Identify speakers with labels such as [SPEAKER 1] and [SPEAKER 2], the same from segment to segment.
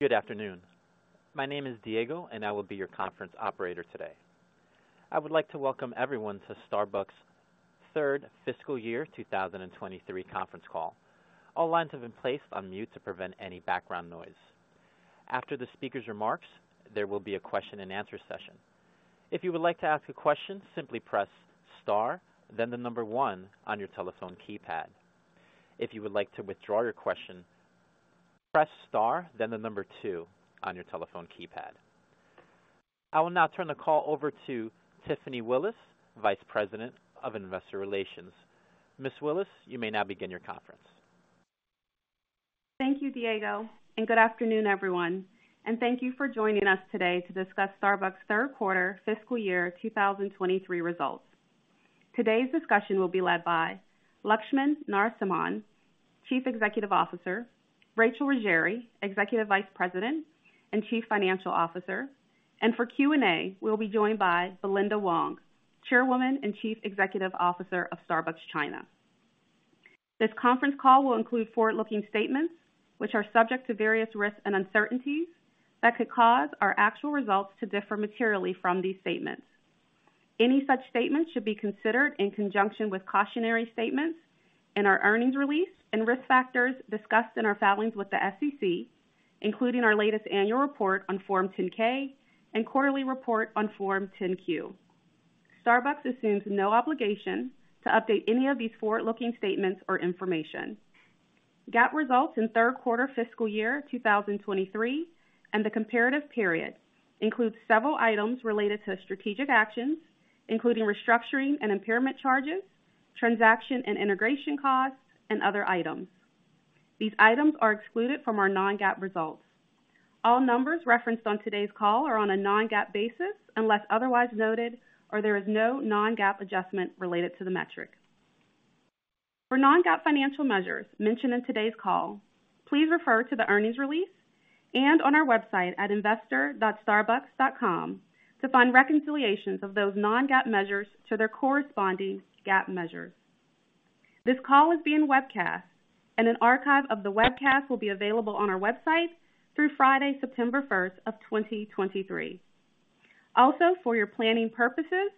[SPEAKER 1] Good afternoon. My name is Diego, and I will be your conference operator today. I would like to welcome everyone to Starbucks' Third Fiscal Year 2023 conference call. All lines have been placed on mute to prevent any background noise. After the speaker's remarks, there will be a Q&A session. If you would like to ask a question, simply press star, then the number one on your telephone keypad. If you would like to withdraw your question, press star, then the number two on your telephone keypad. I will now turn the call over to Tiffany Willis, Vice President of Investor Relations. Ms. Willis, you may now begin your conference.
[SPEAKER 2] Thank you, Diego, good afternoon, everyone. Thank you for joining us today to discuss Starbucks' third quarter fiscal year 2023 results. Today's discussion will be led by Laxman Narasimhan, Chief Executive Officer, Rachel Ruggeri, Executive Vice President and Chief Financial Officer, and for Q&A, we'll be joined by Belinda Wong, Chairwoman and Chief Executive Officer of Starbucks China. This conference call will include forward-looking statements, which are subject to various risks and uncertainties that could cause our actual results to differ materially from these statements. Any such statements should be considered in conjunction with cautionary statements in our earnings release and risk factors discussed in our filings with the SEC, including our latest annual report on Form 10-K and quarterly report on Form 10-Q. Starbucks assumes no obligation to update any of these forward-looking statements or information. GAAP results in third quarter fiscal year 2023 and the comparative period includes several items related to strategic actions, including restructuring and impairment charges, transaction and integration costs, and other items. These items are excluded from our non-GAAP results. All numbers referenced on today's call are on a non-GAAP basis, unless otherwise noted, or there is no non-GAAP adjustment related to the metric. For non-GAAP financial measures mentioned in today's call, please refer to the earnings release and on our website at investor.starbucks.com to find reconciliations of those non-GAAP measures to their corresponding GAAP measures. This call is being webcast, and an archive of the webcast will be available on our website through Friday, September 1st, 2023. For your planning purposes,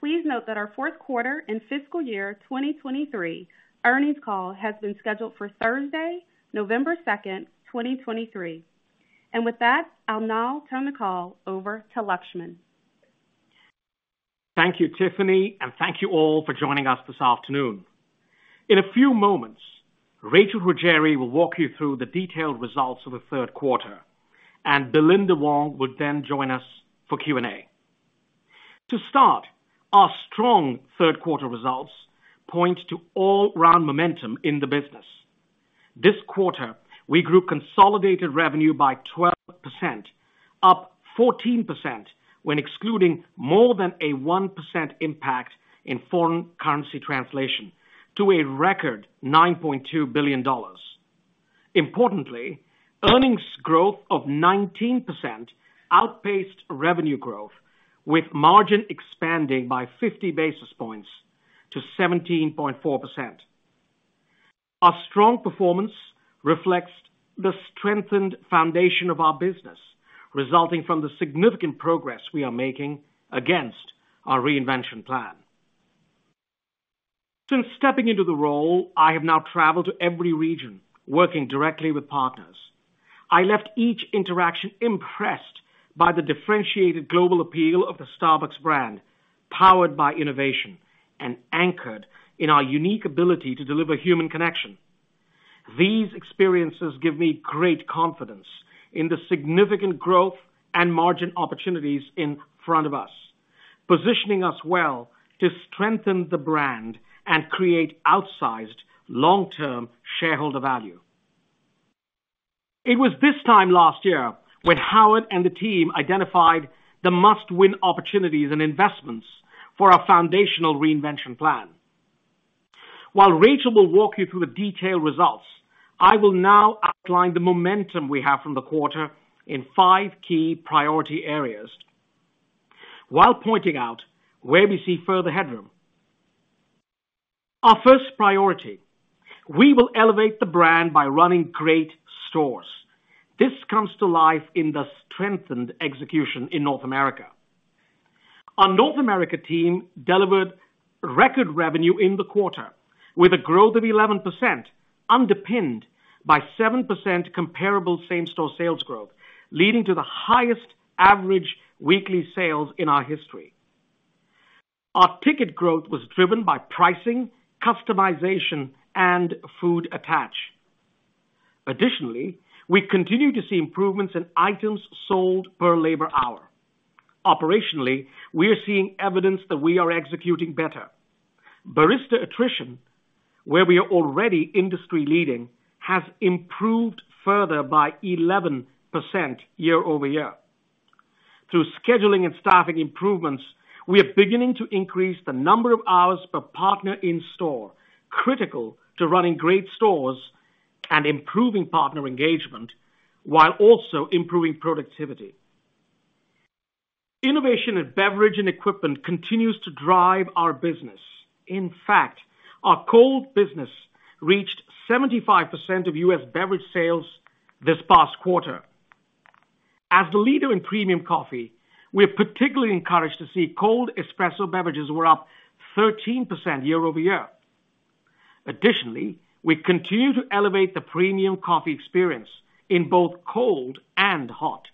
[SPEAKER 2] please note that our fourth quarter and fiscal year 2023 earnings call has been scheduled for Thursday, November 2nd, 2023. With that, I'll now turn the call over to Laxman.
[SPEAKER 3] Thank you, Tiffany. Thank you all for joining us this afternoon. In a few moments, Rachel Ruggeri will walk you through the detailed results of the third quarter. Belinda Wong would then join us for Q&A. To start, our strong third quarter results point to all-round momentum in the business. This quarter, we grew consolidated revenue by 12%, up 14% when excluding more than a 1% impact in foreign currency translation, to a record $9.2 billion. Importantly, earnings growth of 19% outpaced revenue growth, with margin expanding by 50 basis points to 17.4%. Our strong performance reflects the strengthened foundation of our business, resulting from the significant progress we are making against our reinvention plan. Since stepping into the role, I have now traveled to every region working directly with partners. I left each interaction impressed by the differentiated global appeal of the Starbucks brand, powered by innovation and anchored in our unique ability to deliver human connection. These experiences give me great confidence in the significant growth and margin opportunities in front of us, positioning us well to strengthen the brand and create outsized long-term shareholder value. It was this time last year when Howard and the team identified the must-win opportunities and investments for our foundational reinvention plan. While Rachel will walk you through the detailed results, I will now outline the momentum we have from the quarter in five key priority areas, while pointing out where we see further headroom. Our first priority, we will elevate the brand by running great stores. This comes to life in the strengthened execution in North America. Our North America team delivered record revenue in the quarter with a growth of 11%, underpinned by 7% comparable same-store sales growth, leading to the highest average weekly sales in our history. Our ticket growth was driven by pricing, customization, and food attach. Additionally, we continue to see improvements in items sold per labor hour. Operationally, we are seeing evidence that we are executing better. Barista attrition, where we are already industry leading, has improved further by 11% year-over-year. Through scheduling and staffing improvements, we are beginning to increase the number of hours per partner in store, critical to running great stores and improving partner engagement, while also improving productivity. Innovation in beverage and equipment continues to drive our business. In fact, our cold business reached 75% of U.S. beverage sales this past quarter. As the leader in premium coffee, we are particularly encouraged to see cold espresso beverages were up 13% year-over-year. Additionally, we continue to elevate the premium coffee experience in both cold and hot.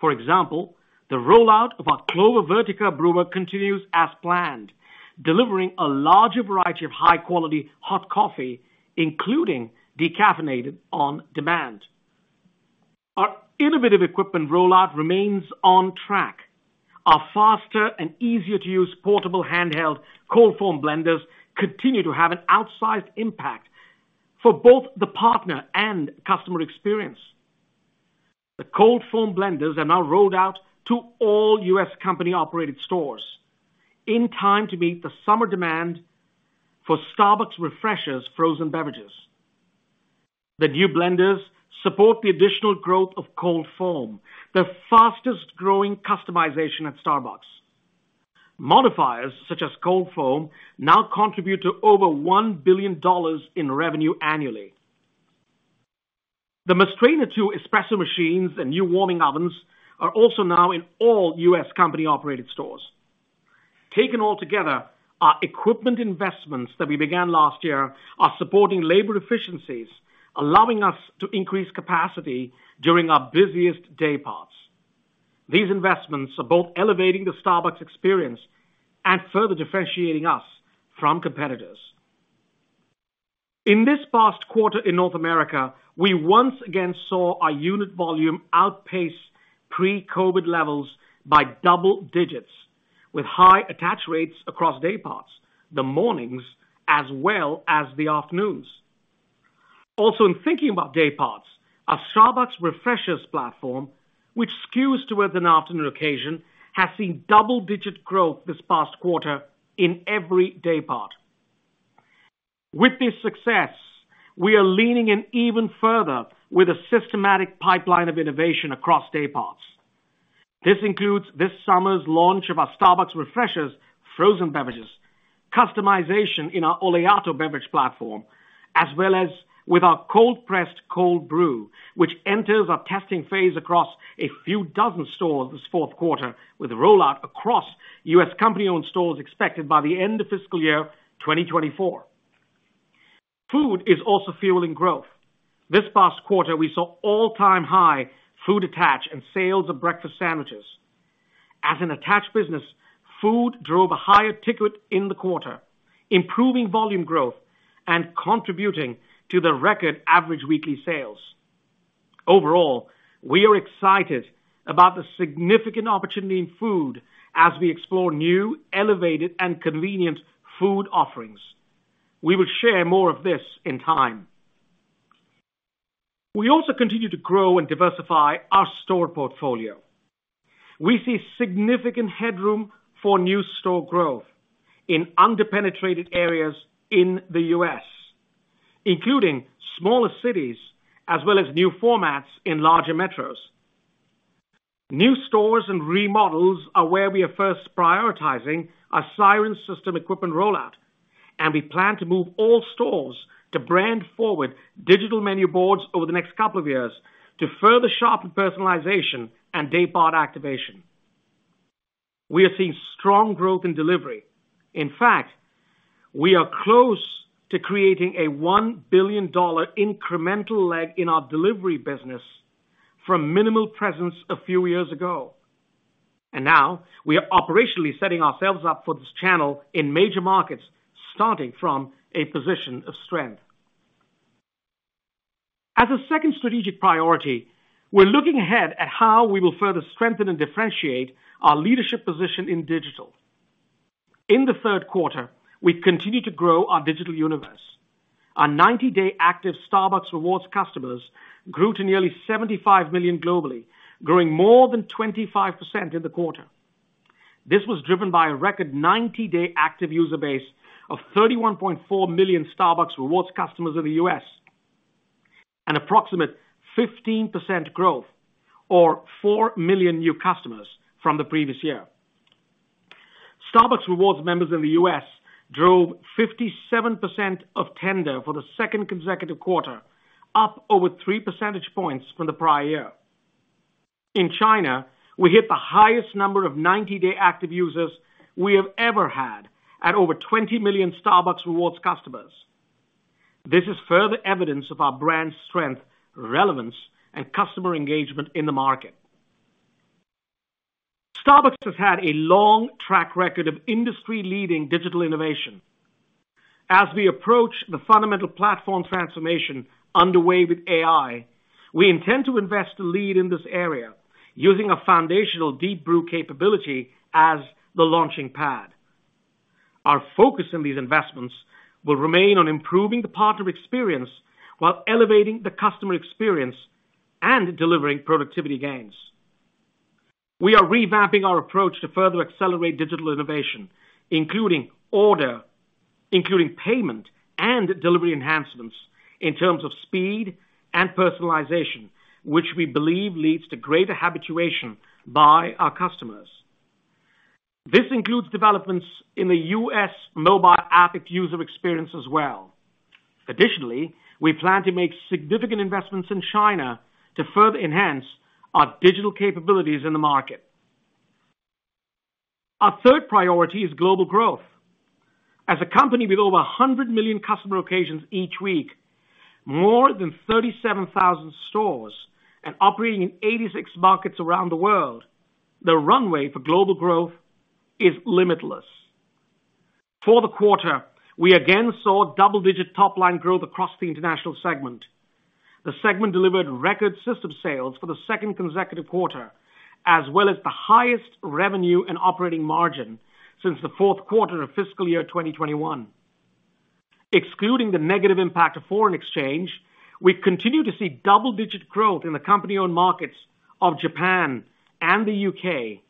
[SPEAKER 3] For example, the rollout of our Clover Vertica brewer continues as planned, delivering a larger variety of high-quality hot coffee, including decaffeinated, on demand. Our innovative equipment rollout remains on track. Our faster and easier-to-use portable handheld cold foam blenders continue to have an outsized impact for both the partner and customer experience. The cold foam blenders are now rolled out to all U.S. company-operated stores in time to meet the summer demand for Starbucks Refreshers frozen beverages. The new blenders support the additional growth of cold foam, the fastest-growing customization at Starbucks. Modifiers, such as cold foam, now contribute to over $1 billion in revenue annually. The Mastrena 2 espresso machines and new warming ovens are also now in all U.S. company-operated stores. Taken all together, our equipment investments that we began last year are supporting labor efficiencies, allowing us to increase capacity during our busiest day parts. These investments are both elevating the Starbucks experience and further differentiating us from competitors. In this past quarter in North America, we once again saw our unit volume outpace pre-COVID levels by double digits, with high attach rates across day parts, the mornings as well as the afternoons. In thinking about day parts, our Starbucks Refreshers platform, which skews towards an afternoon occasion, has seen double-digit growth this past quarter in every day part. With this success, we are leaning in even further with a systematic pipeline of innovation across day parts. This includes this summer's launch of our Starbucks Refreshers frozen beverages, customization in our Oleato beverage platform, as well as with our cold-pressed cold brew, which enters our testing phase across a few dozen stores this fourth quarter, with a rollout across U.S. company-owned stores expected by the end of fiscal year 2024. Food is also fueling growth. This past quarter, we saw all-time-high food attach and sales of breakfast sandwiches. As an attached business, food drove a higher ticket in the quarter, improving volume growth and contributing to the record average weekly sales. Overall, we are excited about the significant opportunity in food as we explore new, elevated, and convenient food offerings. We will share more of this in time. We also continue to grow and diversify our store portfolio. We see significant headroom for new store growth in underpenetrated areas in the US, including smaller cities as well as new formats in larger metros. New stores and remodels are where we are first prioritizing our Siren System equipment rollout. We plan to move all stores to brand-forward digital menu boards over the next couple of years to further sharpen personalization and day part activation. We are seeing strong growth in delivery. In fact, we are close to creating a $1 billion incremental leg in our delivery business from minimal presence a few years ago. Now we are operationally setting ourselves up for this channel in major markets, starting from a position of strength. As a second strategic priority, we're looking ahead at how we will further strengthen and differentiate our leadership position in digital. In the third quarter, we continued to grow our digital universe. Our 90-day active Starbucks Rewards customers grew to nearly 75 million globally, growing more than 25% in the quarter. This was driven by a record 90-day active user base of 31.4 million Starbucks Rewards customers in the U.S., an approximate 15% growth or 4 million new customers from the previous year. Starbucks Rewards members in the U.S. drove 57% of tender for the second consecutive quarter, up over 3 percentage points from the prior year. In China, we hit the highest number of 90-day active users we have ever had at over 20 million Starbucks Rewards customers. This is further evidence of our brand strength, relevance, and customer engagement in the market. Starbucks has had a long track record of industry-leading digital innovation. As we approach the fundamental platform transformation underway with AI, we intend to invest to lead in this area using a foundational Deep Brew capability as the launching pad. Our focus in these investments will remain on improving the partner experience while elevating the customer experience and delivering productivity gains. We are revamping our approach to further accelerate digital innovation, including payment and delivery enhancements in terms of speed and personalization, which we believe leads to greater habituation by our customers. This includes developments in the US mobile app user experience as well. Additionally, we plan to make significant investments in China to further enhance our digital capabilities in the market. Our third priority is global growth. As a company with over 100 million customer occasions each week, more than 37,000 stores, and operating in 86 markets around the world, the runway for global growth is limitless. For the quarter, we again saw double-digit top-line growth across the international segment. The segment delivered record system sales for the second consecutive quarter, as well as the highest revenue and operating margin since the fourth quarter of fiscal year 2021. Excluding the negative impact of foreign exchange, we continue to see double-digit growth in the company-owned markets of Japan and the U.K.,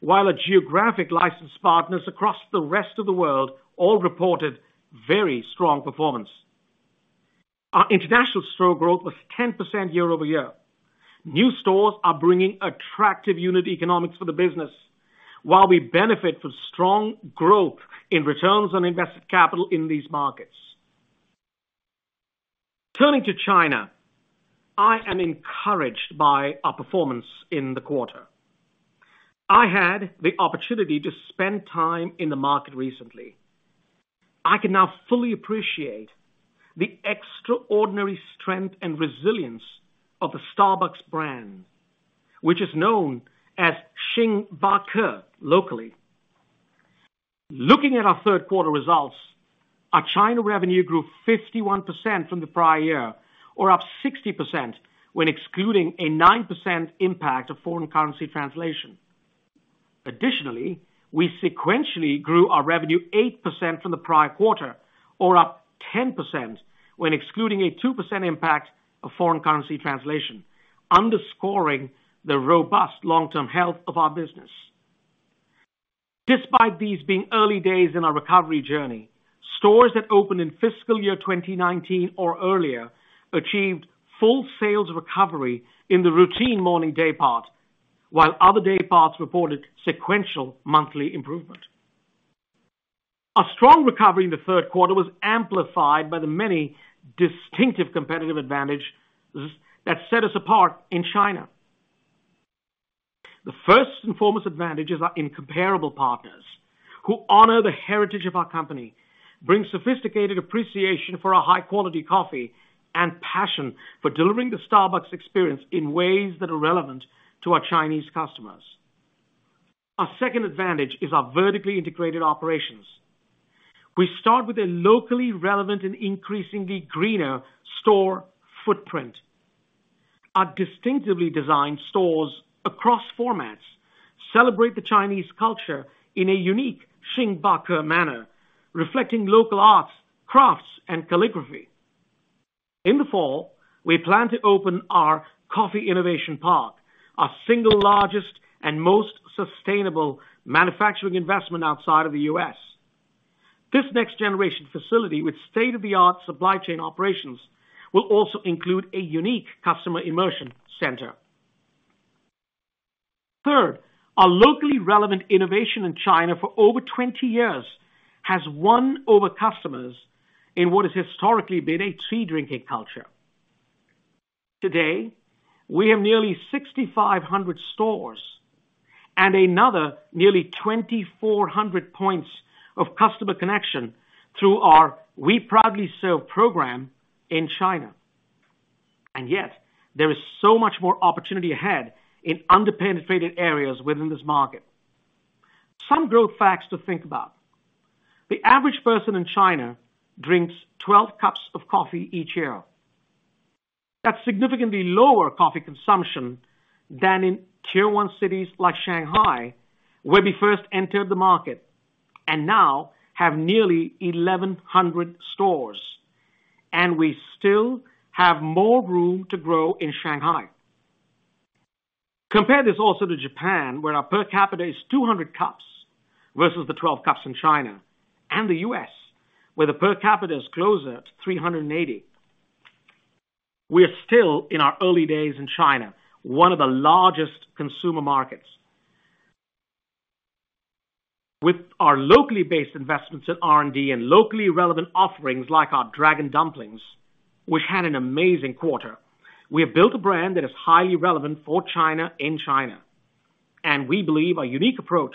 [SPEAKER 3] while our geographic licensed partners across the rest of the world all reported very strong performance. Our international store growth was 10% year-over-year. New stores are bringing attractive unit economics for the business, while we benefit from strong growth in returns on invested capital in these markets. Turning to China, I am encouraged by our performance in the quarter. I had the opportunity to spend time in the market recently. I can now fully appreciate the extraordinary strength and resilience of the Starbucks brand, which is known as Xingbake locally. Looking at our third quarter results, our China revenue grew 51% from the prior year, or up 60% when excluding a 9% impact of foreign currency translation. Additionally, we sequentially grew our revenue 8% from the prior quarter, or up 10% when excluding a 2% impact of foreign currency translation, underscoring the robust long-term health of our business. Despite these being early days in our recovery journey, stores that opened in fiscal year 2019 or earlier achieved full sales recovery in the routine morning day part, while other day parts reported sequential monthly improvement. Our strong recovery in the third quarter was amplified by the many distinctive competitive advantages that set us apart in China. The first and foremost advantage is our incomparable partners, who honor the heritage of our company, bring sophisticated appreciation for our high-quality coffee, and passion for delivering the Starbucks experience in ways that are relevant to our Chinese customers. Our second advantage is our vertically integrated operations. We start with a locally relevant and increasingly greener store footprint. Our distinctively designed stores across formats celebrate the Chinese culture in a unique Xingbake manner, reflecting local arts, crafts, and calligraphy. In the fall, we plan to open our Coffee Innovation Park, our single largest and most sustainable manufacturing investment outside of the U.S.. This next-generation facility, with state-of-the-art supply chain operations, will also include a unique customer immersion center. Third, our locally relevant innovation in China for over 20 years has won over customers in what has historically been a tea-drinking culture. Today, we have nearly 6,500 stores and another nearly 2,400 points of customer connection through our We Proudly Serve program in China. Yet, there is so much more opportunity ahead in under-penetrated areas within this market. Some growth facts to think about: The average person in China drinks 12 cups of coffee each year. That's significantly lower coffee consumption than in Tier 1 cities like Shanghai, where we first entered the market and now have nearly 1,100 stores, and we still have more room to grow in Shanghai. Compare this also to Japan, where our per capita is 200 cups versus the 12 cups in China, and the U.S., where the per capita is closer to 380. We are still in our early days in China, one of the largest consumer markets. With our locally based investments in R&D and locally relevant offerings like our Dragon Dumplings, which had an amazing quarter, we have built a brand that is highly relevant for China in China, and we believe our unique approach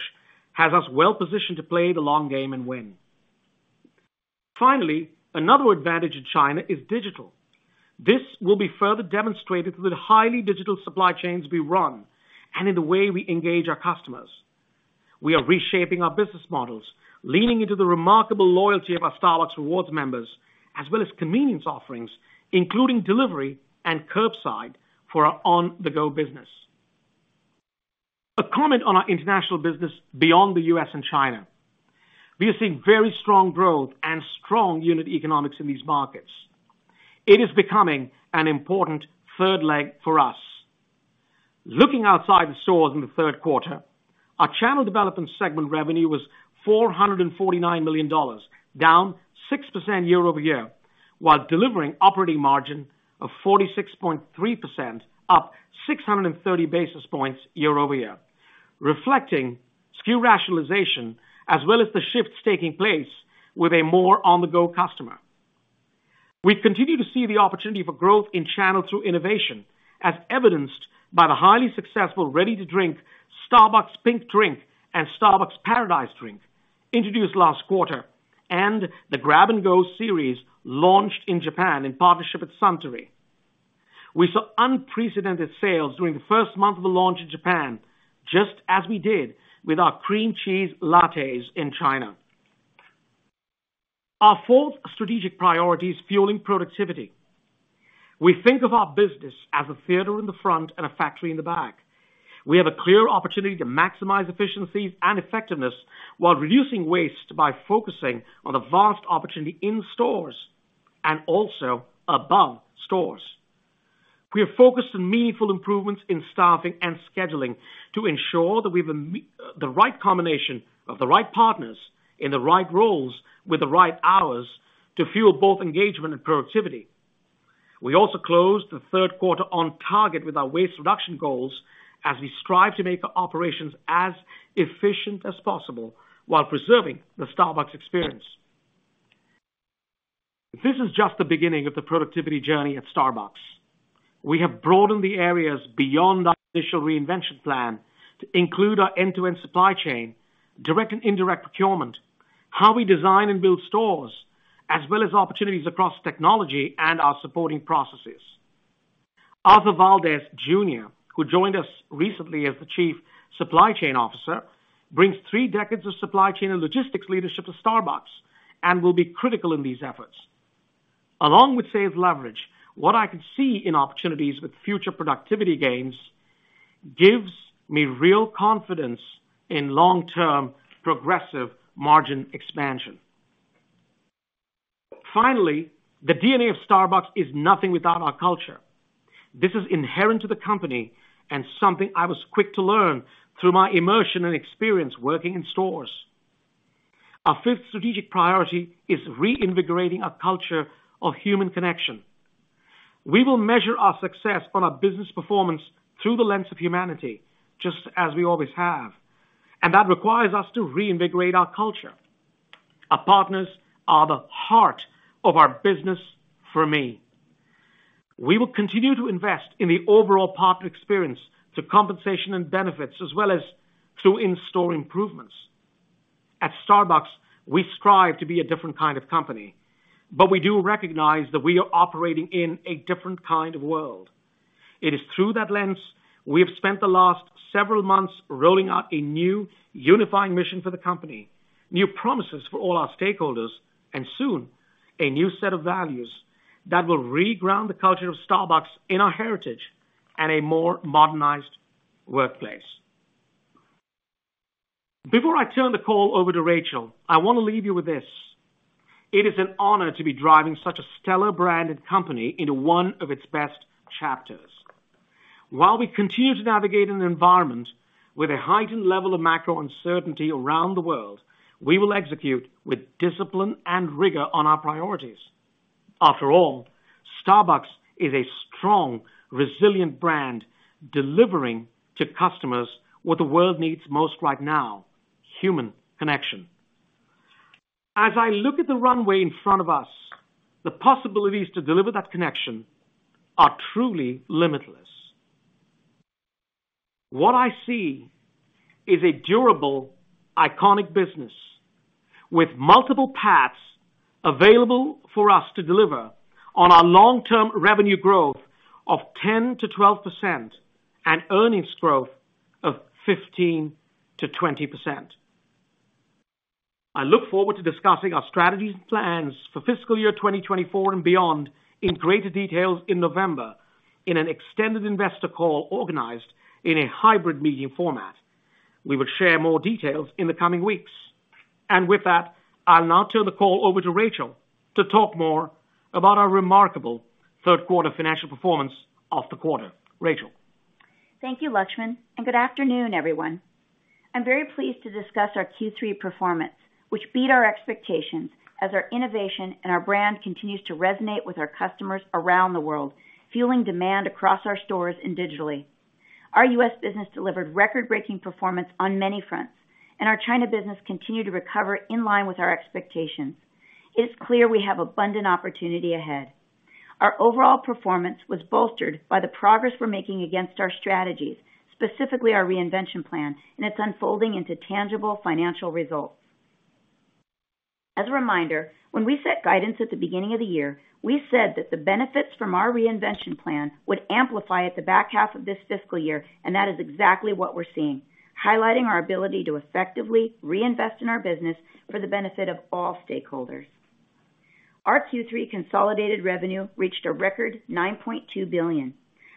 [SPEAKER 3] has us well positioned to play the long game and win. Finally, another advantage in China is digital. This will be further demonstrated through the highly digital supply chains we run and in the way we engage our customers. We are reshaping our business models, leaning into the remarkable loyalty of our Starbucks Rewards members, as well as convenience offerings, including delivery and curbside for our on-the-go business. A comment on our international business beyond the US and China. We are seeing very strong growth and strong unit economics in these markets. It is becoming an important third leg for us. Looking outside the stores in the third quarter, our channel development segment revenue was $449 million, down 6% year-over-year, while delivering operating margin of 46.3%, up 630 basis points year-over-year, reflecting SKU rationalization, as well as the shifts taking place with a more on-the-go customer. We continue to see the opportunity for growth in channel through innovation, as evidenced by the highly successful ready-to-drink Starbucks Pink Drink and Starbucks Paradise Drink, introduced last quarter, and the GRAB & GO series launched in Japan in partnership with Suntory. We saw unprecedented sales during the first month of the launch in Japan, just as we did with our cream cheese lattes in China. Our fourth strategic priority is fueling productivity. We think of our business as a theater in the front and a factory in the back. We have a clear opportunity to maximize efficiency and effectiveness while reducing waste by focusing on the vast opportunity in stores and also above stores. We are focused on meaningful improvements in staffing and scheduling to ensure that we have the right combination of the right partners in the right roles with the right hours to fuel both engagement and productivity. We also closed the third quarter on target with our waste reduction goals as we strive to make our operations as efficient as possible while preserving the Starbucks experience. This is just the beginning of the productivity journey at Starbucks. We have broadened the areas beyond our initial reinvention plan to include our end-to-end supply chain, direct and indirect procurement, how we design and build stores, as well as opportunities across technology and our supporting processes. Arthur Valdez Jr., who joined us recently as the Chief Supply Chain Officer, brings three decades of supply chain and logistics leadership to Starbucks and will be critical in these efforts. Along with saved leverage, what I could see in opportunities with future productivity gains gives me real confidence in long-term progressive margin expansion. Finally, the DNA of Starbucks is nothing without our culture. This is inherent to the company and something I was quick to learn through my immersion and experience working in stores. Our fifth strategic priority is reinvigorating a culture of human connection. We will measure our success on our business performance through the lens of humanity, just as we always have, and that requires us to reinvigorate our culture. Our partners are the heart of our business for me. We will continue to invest in the overall partner experience to compensation and benefits, as well as through in-store improvements. At Starbucks, we strive to be a different kind of company, but we do recognize that we are operating in a different kind of world. It is through that lens, we have spent the last several months rolling out a new unifying mission for the company, new promises for all our stakeholders, and soon, a new set of values that will reground the culture of Starbucks in our heritage and a more modernized workplace. Before I turn the call over to Rachel, I want to leave you with this: It is an honor to be driving such a stellar branded company into one of its best chapters. While we continue to navigate an environment with a heightened level of macro uncertainty around the world, we will execute with discipline and rigor on our priorities. After all, Starbucks is a strong, resilient brand, delivering to customers what the world needs most right now, human connection. As I look at the runway in front of us, the possibilities to deliver that connection are truly limitless. What I see is a durable, iconic business with multiple paths available for us to deliver on our long-term revenue growth of 10%-12% and earnings growth of 15%-20%. I look forward to discussing our strategy plans for fiscal year 2024 and beyond in greater details in November, in an extended investor call organized in a hybrid meeting format. We will share more details in the coming weeks. With that, I'll now turn the call over to Rachel to talk more about our remarkable third quarter financial performance of the quarter. Rachel?
[SPEAKER 4] Thank you, Laxman. Good afternoon, everyone. I'm very pleased to discuss our Q3 performance, which beat our expectations as our innovation and our brand continues to resonate with our customers around the world, fueling demand across our stores and digitally. Our U.S. business delivered record-breaking performance on many fronts. Our China business continued to recover in line with our expectations. It's clear we have abundant opportunity ahead. Our overall performance was bolstered by the progress we're making against our strategies, specifically our reinvention plan. It's unfolding into tangible financial results. As a reminder, when we set guidance at the beginning of the year, we said that the benefits from our reinvention plan would amplify at the back half of this fiscal year. That is exactly what we're seeing, highlighting our ability to effectively reinvest in our business for the benefit of all stakeholders. Our Q3 consolidated revenue reached a record $9.2 billion,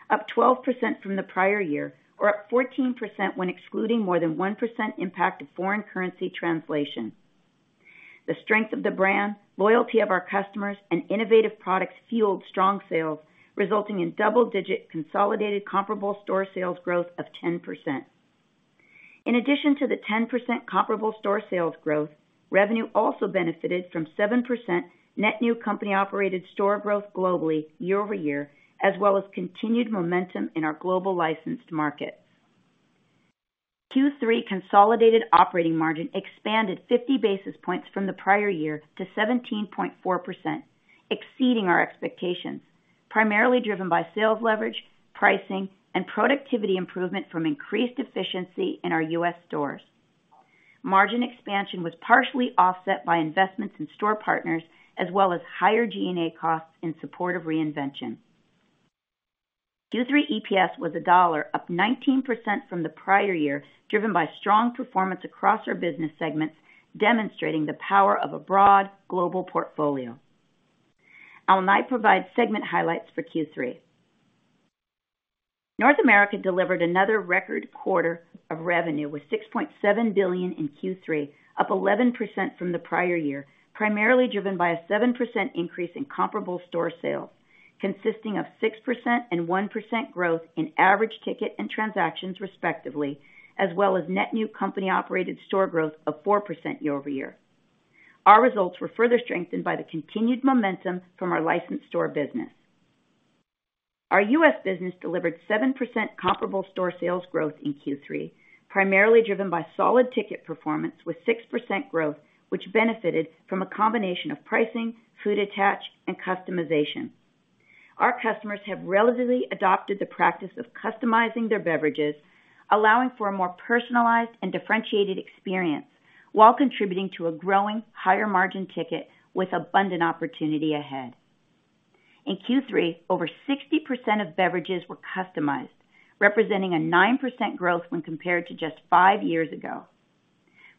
[SPEAKER 4] up 12% from the prior year, or up 14% when excluding more than 1% impact of foreign currency translation. The strength of the brand, loyalty of our customers, and innovative products fueled strong sales, resulting in double-digit consolidated comparable store sales growth of 10%. In addition to the 10% comparable store sales growth, revenue also benefited from 7% net new company-operated store growth globally year-over-year, as well as continued momentum in our global licensed markets. Q3 consolidated operating margin expanded 50 basis points from the prior year to 17.4%, exceeding our expectations, primarily driven by sales leverage, pricing, and productivity improvement from increased efficiency in our US stores. Margin expansion was partially offset by investments in store partners, as well as higher G&A costs in support of reinvention. Q3 EPS was $1, up 19% from the prior year, driven by strong performance across our business segments, demonstrating the power of a broad global portfolio. I'll now provide segment highlights for Q3. North America delivered another record quarter of revenue, with $6.7 billion in Q3, up 11% from the prior year, primarily driven by a 7% increase in comparable store sales, consisting of 6% and 1% growth in average ticket and transactions, respectively, as well as net new company-operated store growth of 4% year-over-year. Our results were further strengthened by the continued momentum from our licensed store business. Our U.S. business delivered 7% comparable store sales growth in Q3, primarily driven by solid ticket performance with 6% growth, which benefited from a combination of pricing, food attach, and customization. Our customers have relatively adopted the practice of customizing their beverages, allowing for a more personalized and differentiated experience, while contributing to a growing higher-margin ticket with abundant opportunity ahead. In Q3, over 60% of beverages were customized, representing a 9% growth when compared to just 5 years ago.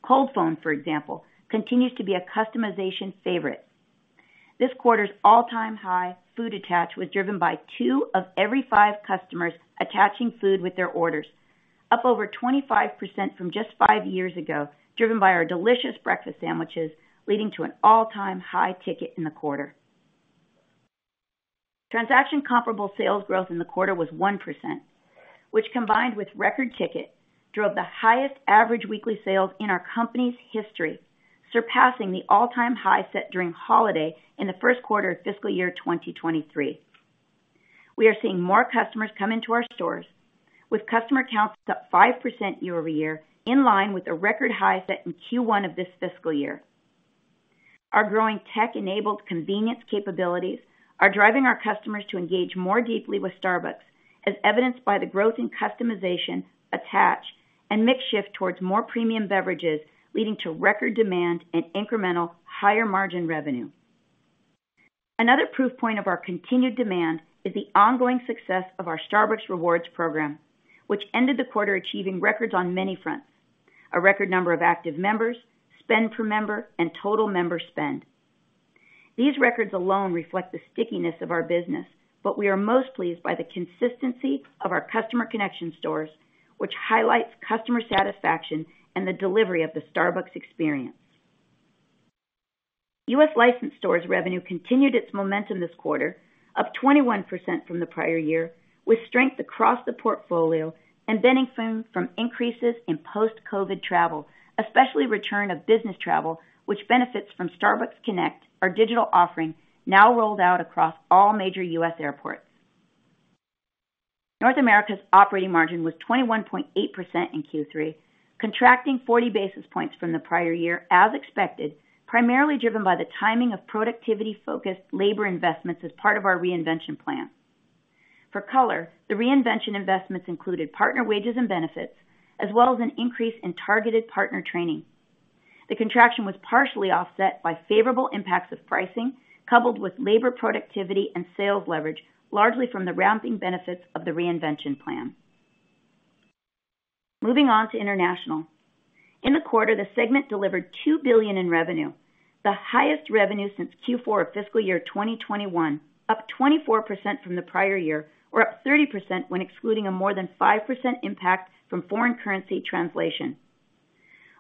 [SPEAKER 4] Cold foam, for example, continues to be a customization favorite. This quarter's all-time high food attach was driven by 2 of every 5 customers attaching food with their orders, up over 25% from just 5 years ago, driven by our delicious breakfast sandwiches, leading to an all-time high ticket in the quarter. Transaction comparable sales growth in the quarter was 1%, which, combined with record ticket, drove the highest average weekly sales in our company's history, surpassing the all-time high set during holiday in the first quarter of fiscal year 2023. We are seeing more customers come into our stores, with customer counts up 5% year-over-year, in line with a record high set in Q1 of this fiscal year. Our growing tech-enabled convenience capabilities are driving our customers to engage more deeply with Starbucks, as evidenced by the growth in customization, attach, and mix shift towards more premium beverages, leading to record demand and incremental higher-margin revenue. Another proof point of our continued demand is the ongoing success of our Starbucks Rewards program, which ended the quarter achieving records on many fronts: a record number of active members, spend per member, and total member spend. These records alone reflect the stickiness of our business, but we are most pleased by the consistency of our customer connection stores, which highlights customer satisfaction and the delivery of the Starbucks experience. US licensed stores revenue continued its momentum this quarter, up 21% from the prior year, with strength across the portfolio and benefiting from increases in post-COVID travel, especially return of business travel, which benefits from Starbucks Connect, our digital offering, now rolled out across all major US airports. North America's operating margin was 21.8% in Q3, contracting 40 basis points from the prior year, as expected, primarily driven by the timing of productivity-focused labor investments as part of our reinvention plan. For color, the reinvention investments included partner wages and benefits, as well as an increase in targeted partner training. The contraction was partially offset by favorable impacts of pricing, coupled with labor productivity and sales leverage, largely from the ramping benefits of the reinvention plan. Moving on to international. In the quarter, the segment delivered $2 billion in revenue, the highest revenue since Q4 of fiscal year 2021, up 24% from the prior year, or up 30% when excluding a more than 5% impact from foreign currency translation.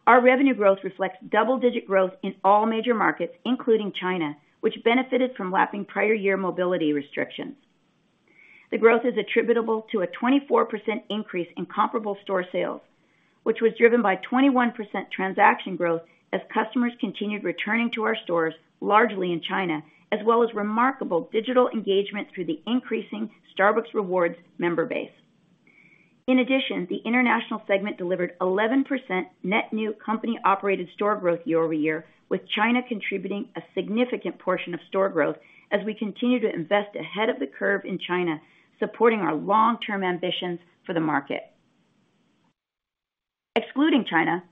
[SPEAKER 4] Our revenue growth reflects double-digit growth in all major markets, including China, which benefited from lapping prior year mobility restrictions. The growth is attributable to a 24% increase in comparable store sales, which was driven by 21% transaction growth as customers continued returning to our stores, largely in China, as well as remarkable digital engagement through the increasing Starbucks Rewards member base. In addition, the international segment delivered 11% net new company-operated store growth year-over-year, with China contributing a significant portion of store growth as we continue to invest ahead of the curve in China, supporting our long-term ambitions for the market. Excluding China,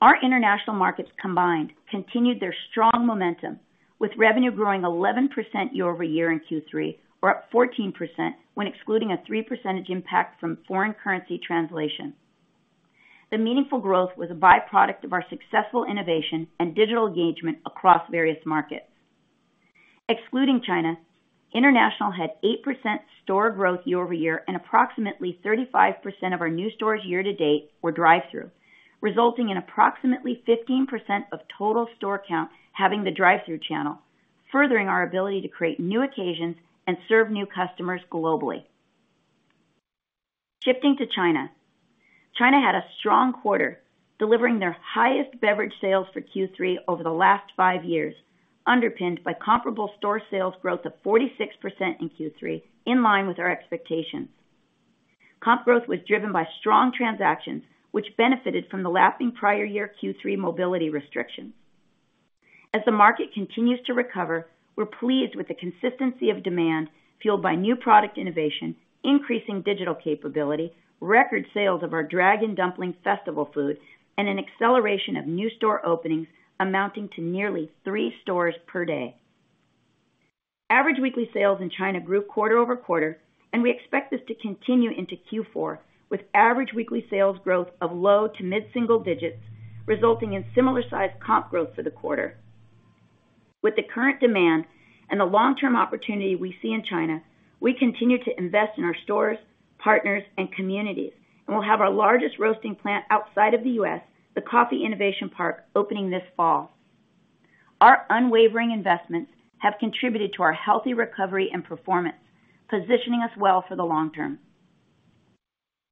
[SPEAKER 4] our international markets combined continued their strong momentum, with revenue growing 11% year-over-year in Q3, or up 14% when excluding a 3% impact from foreign currency translation. The meaningful growth was a byproduct of our successful innovation and digital engagement across various markets. Excluding China, international had 8% store growth year-over-year, and approximately 35% of our new stores year-to-date were drive-thru, resulting in approximately 15% of total store count having the drive-thru channel, furthering our ability to create new occasions and serve new customers globally. Shifting to China. China had a strong quarter, delivering their highest beverage sales for Q3 over the last 5 years, underpinned by comparable store sales growth of 46% in Q3, in line with our expectations. Comp growth was driven by strong transactions, which benefited from the lapping prior year Q3 mobility restrictions. As the market continues to recover, we're pleased with the consistency of demand, fueled by new product innovation, increasing digital capability, record sales of our Dragon Dumpling Festival food, and an acceleration of new store openings, amounting to nearly three stores per day. Average weekly sales in China grew quarter-over-quarter, and we expect this to continue into Q4, with average weekly sales growth of low to mid-single digits, resulting in similar-sized comp growth for the quarter. With the current demand and the long-term opportunity we see in China, we continue to invest in our stores, partners, and communities, and we'll have our largest roasting plant outside of the US, the Coffee Innovation Park, opening this fall. Our unwavering investments have contributed to our healthy recovery and performance, positioning us well for the long term.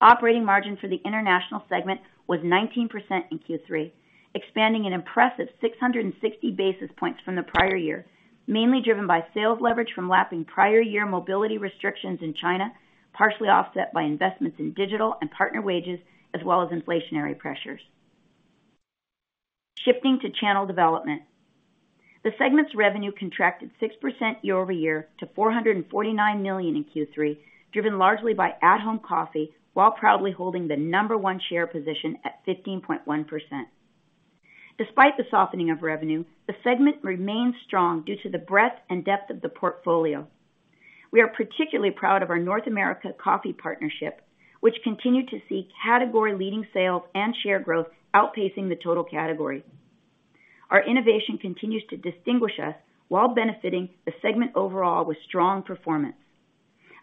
[SPEAKER 4] Operating margin for the international segment was 19% in Q3, expanding an impressive 660 basis points from the prior year, mainly driven by sales leverage from lapping prior-year mobility restrictions in China, partially offset by investments in digital and partner wages, as well as inflationary pressures. Shifting to channel development. The segment's revenue contracted 6% year-over-year to $449 million in Q3, driven largely by at-home coffee, while proudly holding the number one share position at 15.1%. Despite the softening of revenue, the segment remains strong due to the breadth and depth of the portfolio. We are particularly proud of our North American Coffee Partnership, which continued to see category-leading sales and share growth outpacing the total category. Our innovation continues to distinguish us while benefiting the segment overall with strong performance.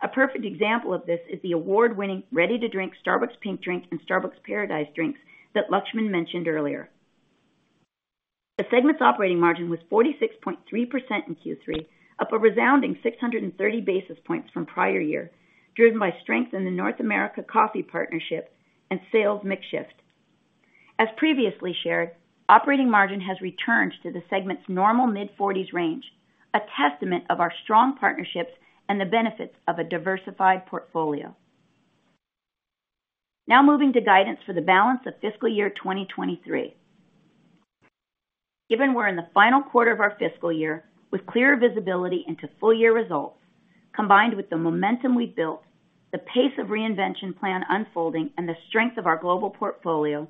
[SPEAKER 4] A perfect example of this is the award-winning, ready-to-drink Starbucks Pink Drink and Starbucks Paradise Drinks that Laxman mentioned earlier. The segment's operating margin was 46.3% in Q3, up a resounding 630 basis points from prior year, driven by strength in the North American Coffee Partnership and sales mix shift. As previously shared, operating margin has returned to the segment's normal mid-forties range, a testament of our strong partnerships and the benefits of a diversified portfolio. Moving to guidance for the balance of fiscal year 2023. Given we're in the final quarter of our fiscal year, with clearer visibility into full-year results, combined with the momentum we've built, the pace of reinvention plan unfolding, and the strength of our global portfolio,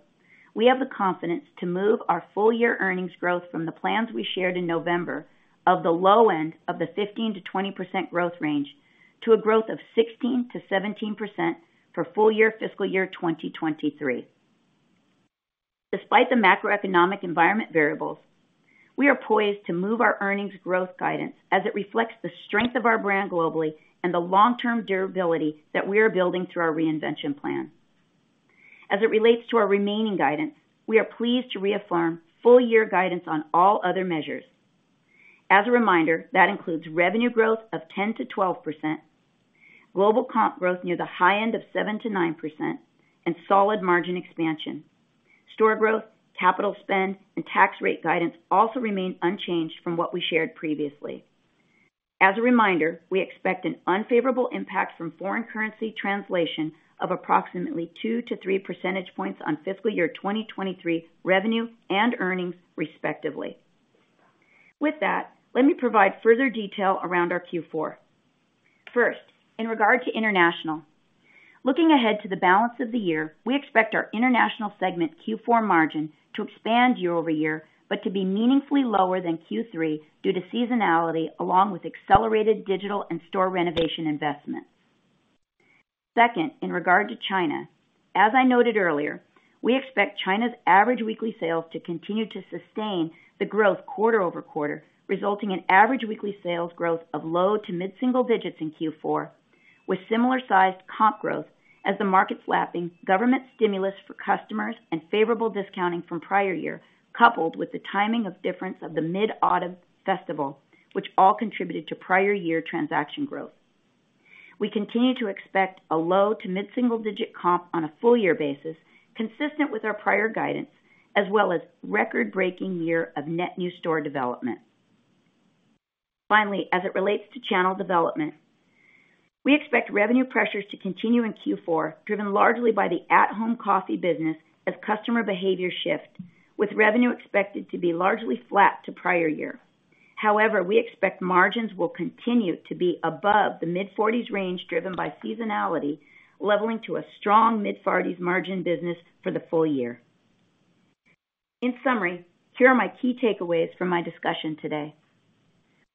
[SPEAKER 4] we have the confidence to move our full-year earnings growth from the plans we shared in November of the low end of the 15%-20% growth range, to a growth of 16%-17% for full year fiscal year 2023. Despite the macroeconomic environment variables, we are poised to move our earnings growth guidance as it reflects the strength of our brand globally and the long-term durability that we are building through our reinvention plan. As it relates to our remaining guidance, we are pleased to reaffirm full-year guidance on all other measures. As a reminder, that includes revenue growth of 10%-12%, global comp growth near the high end of 7%-9%, and solid margin expansion. Store growth, capital spend, and tax rate guidance also remain unchanged from what we shared previously. As a reminder, we expect an unfavorable impact from foreign currency translation of approximately 2-3 percentage points on fiscal year 2023 revenue and earnings, respectively. With that, let me provide further detail around our Q4. First, in regard to international, looking ahead to the balance of the year, we expect our international segment Q4 margin to expand year-over-year, but to be meaningfully lower than Q3 due to seasonality, along with accelerated digital and store renovation investments. Second, in regard to China, as I noted earlier, we expect China's average weekly sales to continue to sustain the growth quarter-over-quarter, resulting in average weekly sales growth of low to mid-single-digits in Q4, with similar-sized comp growth as the market's lapping government stimulus for customers and favorable discounting from prior year, coupled with the timing of difference of the Mid-Autumn Festival, which all contributed to prior year transaction growth. We continue to expect a low to mid-single-digit comp on a full year basis, consistent with our prior guidance, as well as record-breaking year of net new store development. Finally, as it relates to channel development, we expect revenue pressures to continue in Q4, driven largely by the at-home coffee business as customer behavior shifts, with revenue expected to be largely flat to prior year. However, we expect margins will continue to be above the mid-40s range, driven by seasonality, leveling to a strong mid-40s margin business for the full year. In summary, here are my key takeaways from my discussion today.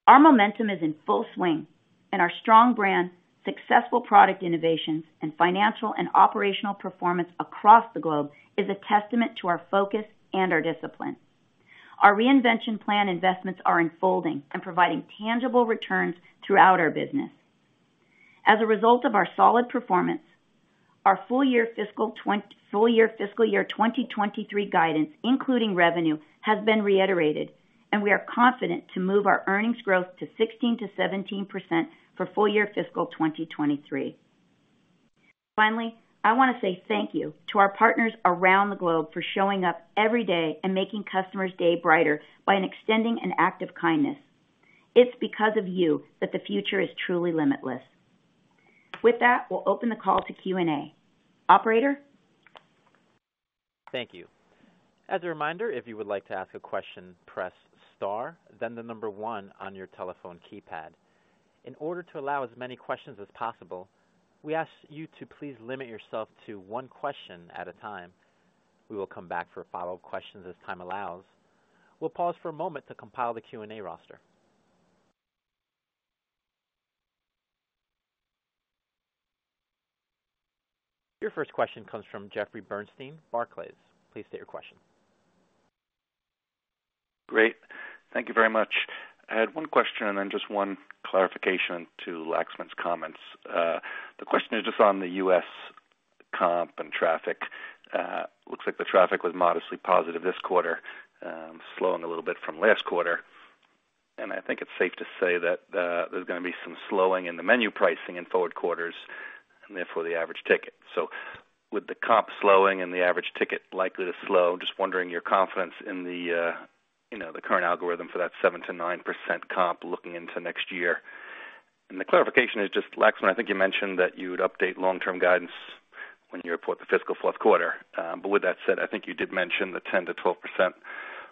[SPEAKER 4] Our momentum is in full swing. Our strong brand, successful product innovations, and financial and operational performance across the globe is a testament to our focus and our discipline. Our reinvention plan investments are unfolding and providing tangible returns throughout our business. As a result of our solid performance, our full year fiscal year 2023 guidance, including revenue, has been reiterated, and we are confident to move our earnings growth to 16%-17% for full year fiscal 2023. Finally, I want to say thank you to our partners around the globe for showing up every day and making customers' day brighter by extending an act of kindness. It's because of you that the future is truly limitless. With that, we'll open the call to Q&A. Operator?
[SPEAKER 1] Thank you. As a reminder, if you would like to ask a question, press star, then the number one on your telephone keypad. In order to allow as many questions as possible, we ask you to please limit yourself to one question at a time. We will come back for follow-up questions as time allows. We'll pause for a moment to compile the Q&A roster. Your first question comes from Jeffrey Bernstein, Barclays. Please state your question.
[SPEAKER 5] Great. Thank you very much. I had one question and then just one clarification to Laxman's comments. The question is just on the U.S. comp and traffic. Looks like the traffic was modestly positive this quarter, slowing a little bit from last quarter. I think it's safe to say that there's gonna be some slowing in the menu pricing in forward quarters and therefore the average ticket. With the comp slowing and the average ticket likely to slow, just wondering your confidence in the, you know, the current algorithm for that 7%-9% comp looking into next year. The clarification is just, Laxman, I think you mentioned that you would update long-term guidance when you report the fiscal fourth quarter. With that said, I think you did mention the 10%-12%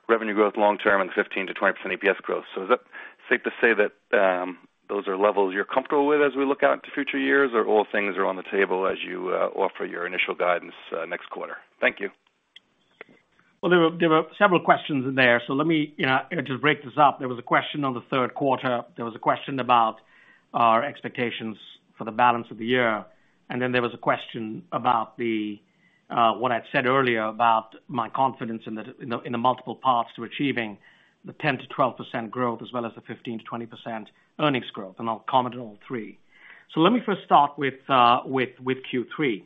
[SPEAKER 5] revenue growth long term and 15%-20% EPS growth. Is that safe to say that, those are levels you're comfortable with as we look out into future years, or all things are on the table as you offer your initial guidance next quarter? Thank you.
[SPEAKER 3] There were, there were several questions in there, so let me, you know, just break this up. There was a question on the third quarter. There was a question about our expectations for the balance of the year. Then there was a question about the what I'd said earlier about my confidence in the, in the, in the multiple paths to achieving the 10%-12% growth, as well as the 15%-20% earnings growth, and I'll comment on all three. Let me first start with, with, with Q3.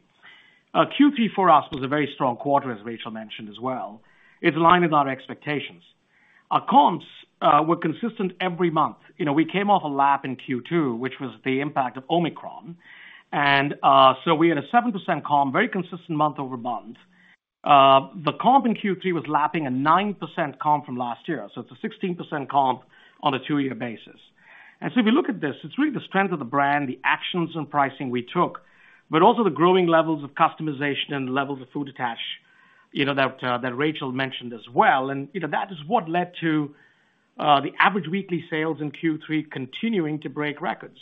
[SPEAKER 3] Q3 for us was a very strong quarter, as Rachel mentioned as well. It aligned with our expectations. Our comps were consistent every month. You know, we came off a lap in Q2, which was the impact of Omicron. We had a 7% comp, very consistent month-over-month. The comp in Q3 was lapping a 9% comp from last year. It's a 16% comp on a 2-year basis. If you look at this, it's really the strength of the brand, the actions and pricing we took, but also the growing levels of customization and the levels of food attach, you know, that Rachel mentioned as well. You know, that is what led to the average weekly sales in Q3 continuing to break records.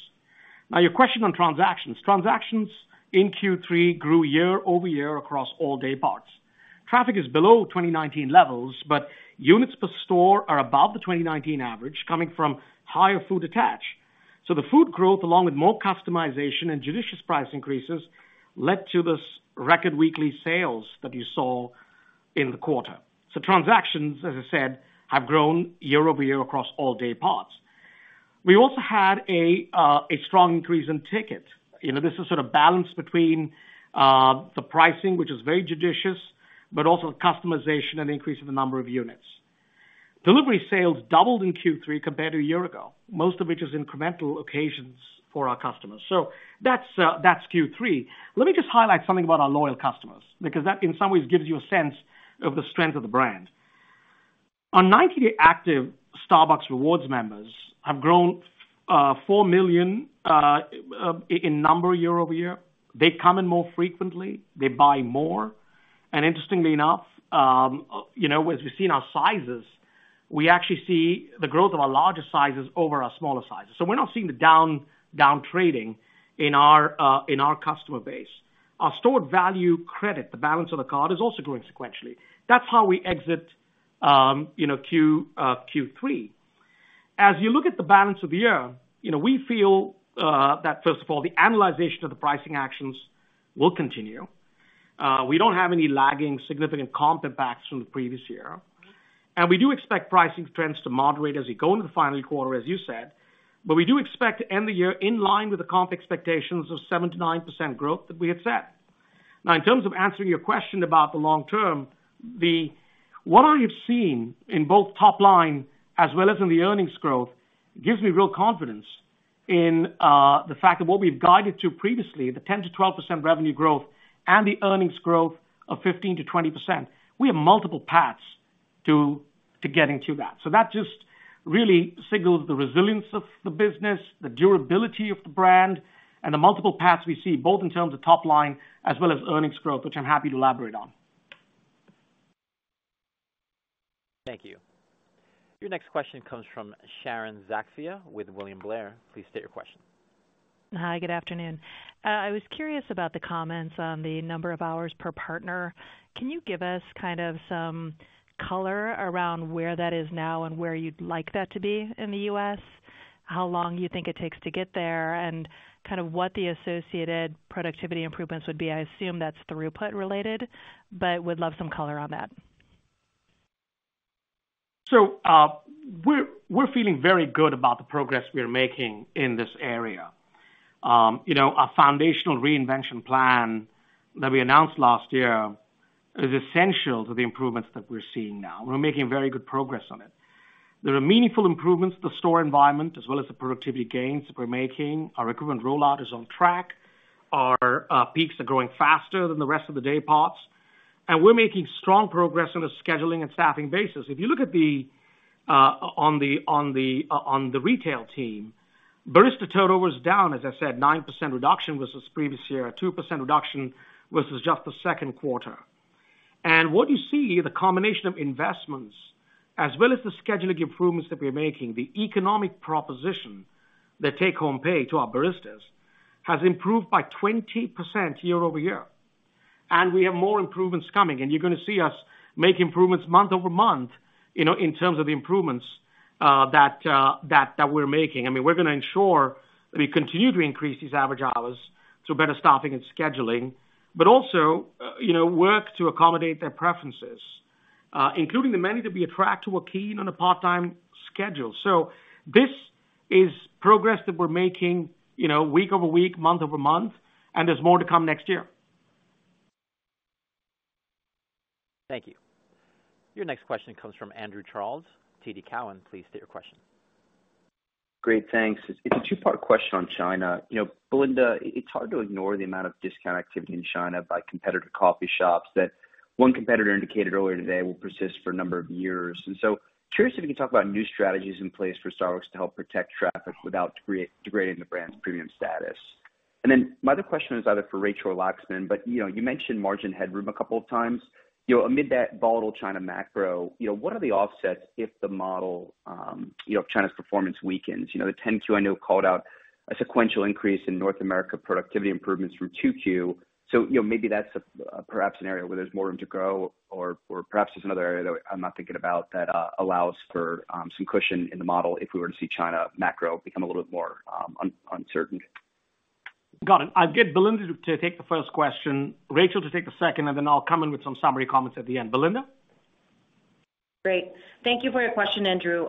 [SPEAKER 3] Now, your question on transactions. Transactions in Q3 grew year-over-year across all day parts. Traffic is below 2019 levels, but units per store are above the 2019 average, coming from higher food attach. The food growth, along with more customization and judicious price increases, led to this record weekly sales that you saw in the quarter. Transactions, as I said, have grown year-over-year across all day parts. We also had a strong increase in ticket. You know, this is sort of balanced between the pricing, which is very judicious, but also customization and increase in the number of units. Delivery sales doubled in Q3 compared to a year ago, most of which is incremental occasions for our customers. That's that's Q3. Let me just highlight something about our loyal customers, because that, in some ways, gives you a sense of the strength of the brand. Our 90-day active Starbucks Rewards members have grown 4 million in number year-over-year. They come in more frequently, they buy more, and interestingly enough, you know, as we've seen our sizes, we actually see the growth of our larger sizes over our smaller sizes. So we're not seeing the down, down trading in our in our customer base. Our stored value credit, the balance of the card, is also growing sequentially. That's how we exit, you know, Q3. As you look at the balance of the year, you know, we feel that, first of all, the analyzation of the pricing actions will continue. We don't have any lagging significant comp impacts from the previous year. We do expect pricing trends to moderate as we go into the final quarter, as you said. We do expect to end the year in line with the comp expectations of 7%-9% growth that we had set. In terms of answering your question about the long term, what I have seen in both top line as well as in the earnings growth, gives me real confidence in the fact that what we've guided to previously, the 10%-12% revenue growth and the earnings growth of 15%-20%, we have multiple paths to getting to that. That just really signals the resilience of the business, the durability of the brand, and the multiple paths we see, both in terms of top line as well as earnings growth, which I'm happy to elaborate on.
[SPEAKER 1] Thank you. Your next question comes from Sharon Zackfia with William Blair. Please state your question.
[SPEAKER 6] ...Hi, good afternoon. I was curious about the comments on the number of hours per partner. Can you give us kind of some color around where that is now and where you'd like that to be in the US? How long you think it takes to get there, and kind of what the associated productivity improvements would be? I assume that's throughput related, but would love some color on that.
[SPEAKER 3] We're feeling very good about the progress we are making in this area. You know, our foundational reinvention plan that we announced last year is essential to the improvements that we're seeing now. We're making very good progress on it. There are meaningful improvements to the store environment, as well as the productivity gains that we're making. Our recruitment rollout is on track. Our peaks are growing faster than the rest of the day parts, and we're making strong progress on a scheduling and staffing basis. If you look at the on the retail team, barista total was down, as I said, 9% reduction versus previous year, a 2% reduction versus just the second quarter. What you see, the combination of investments as well as the scheduling improvements that we're making, the economic proposition, the take-home pay to our baristas, has improved by 20% year-over-year. We have more improvements coming, and you're going to see us make improvements month-over-month, you know, in terms of the improvements that, that we're making. I mean, we're going to ensure that we continue to increase these average hours through better staffing and scheduling, but also, you know, work to accommodate their preferences, including the many that we attract who are keen on a part-time schedule. This is progress that we're making, you know, week-over-week, month-over-month, and there's more to come next year.
[SPEAKER 1] Thank you. Your next question comes from Andrew Charles, TD Cowen. Please state your question.
[SPEAKER 7] Great, thanks. It's a two-part question on China. You know, Belinda, it's hard to ignore the amount of discount activity in China by competitor coffee shops that one competitor indicated earlier today will persist for a number of years. So curious if you can talk about new strategies in place for Starbucks to help protect traffic without degrading the brand's premium status. Then my other question is either for Rachel or Laxman, but, you know, you mentioned margin headroom a couple of times. You know, amid that volatile China macro, you know, what are the offsets if the model, you know, if China's performance weakens? You know, the 10-Q, I know, called out a sequential increase in North America productivity improvements from 2Q. You know, maybe that's a, perhaps an area where there's more room to grow, or, or perhaps there's another area that I'm not thinking about that allows for some cushion in the model if we were to see China macro become a little bit more uncertain.
[SPEAKER 3] Got it. I'll get Belinda to, to take the first question, Rachel to take the second, and then I'll come in with some summary comments at the end. Belinda?
[SPEAKER 8] Great. Thank you for your question, Andrew.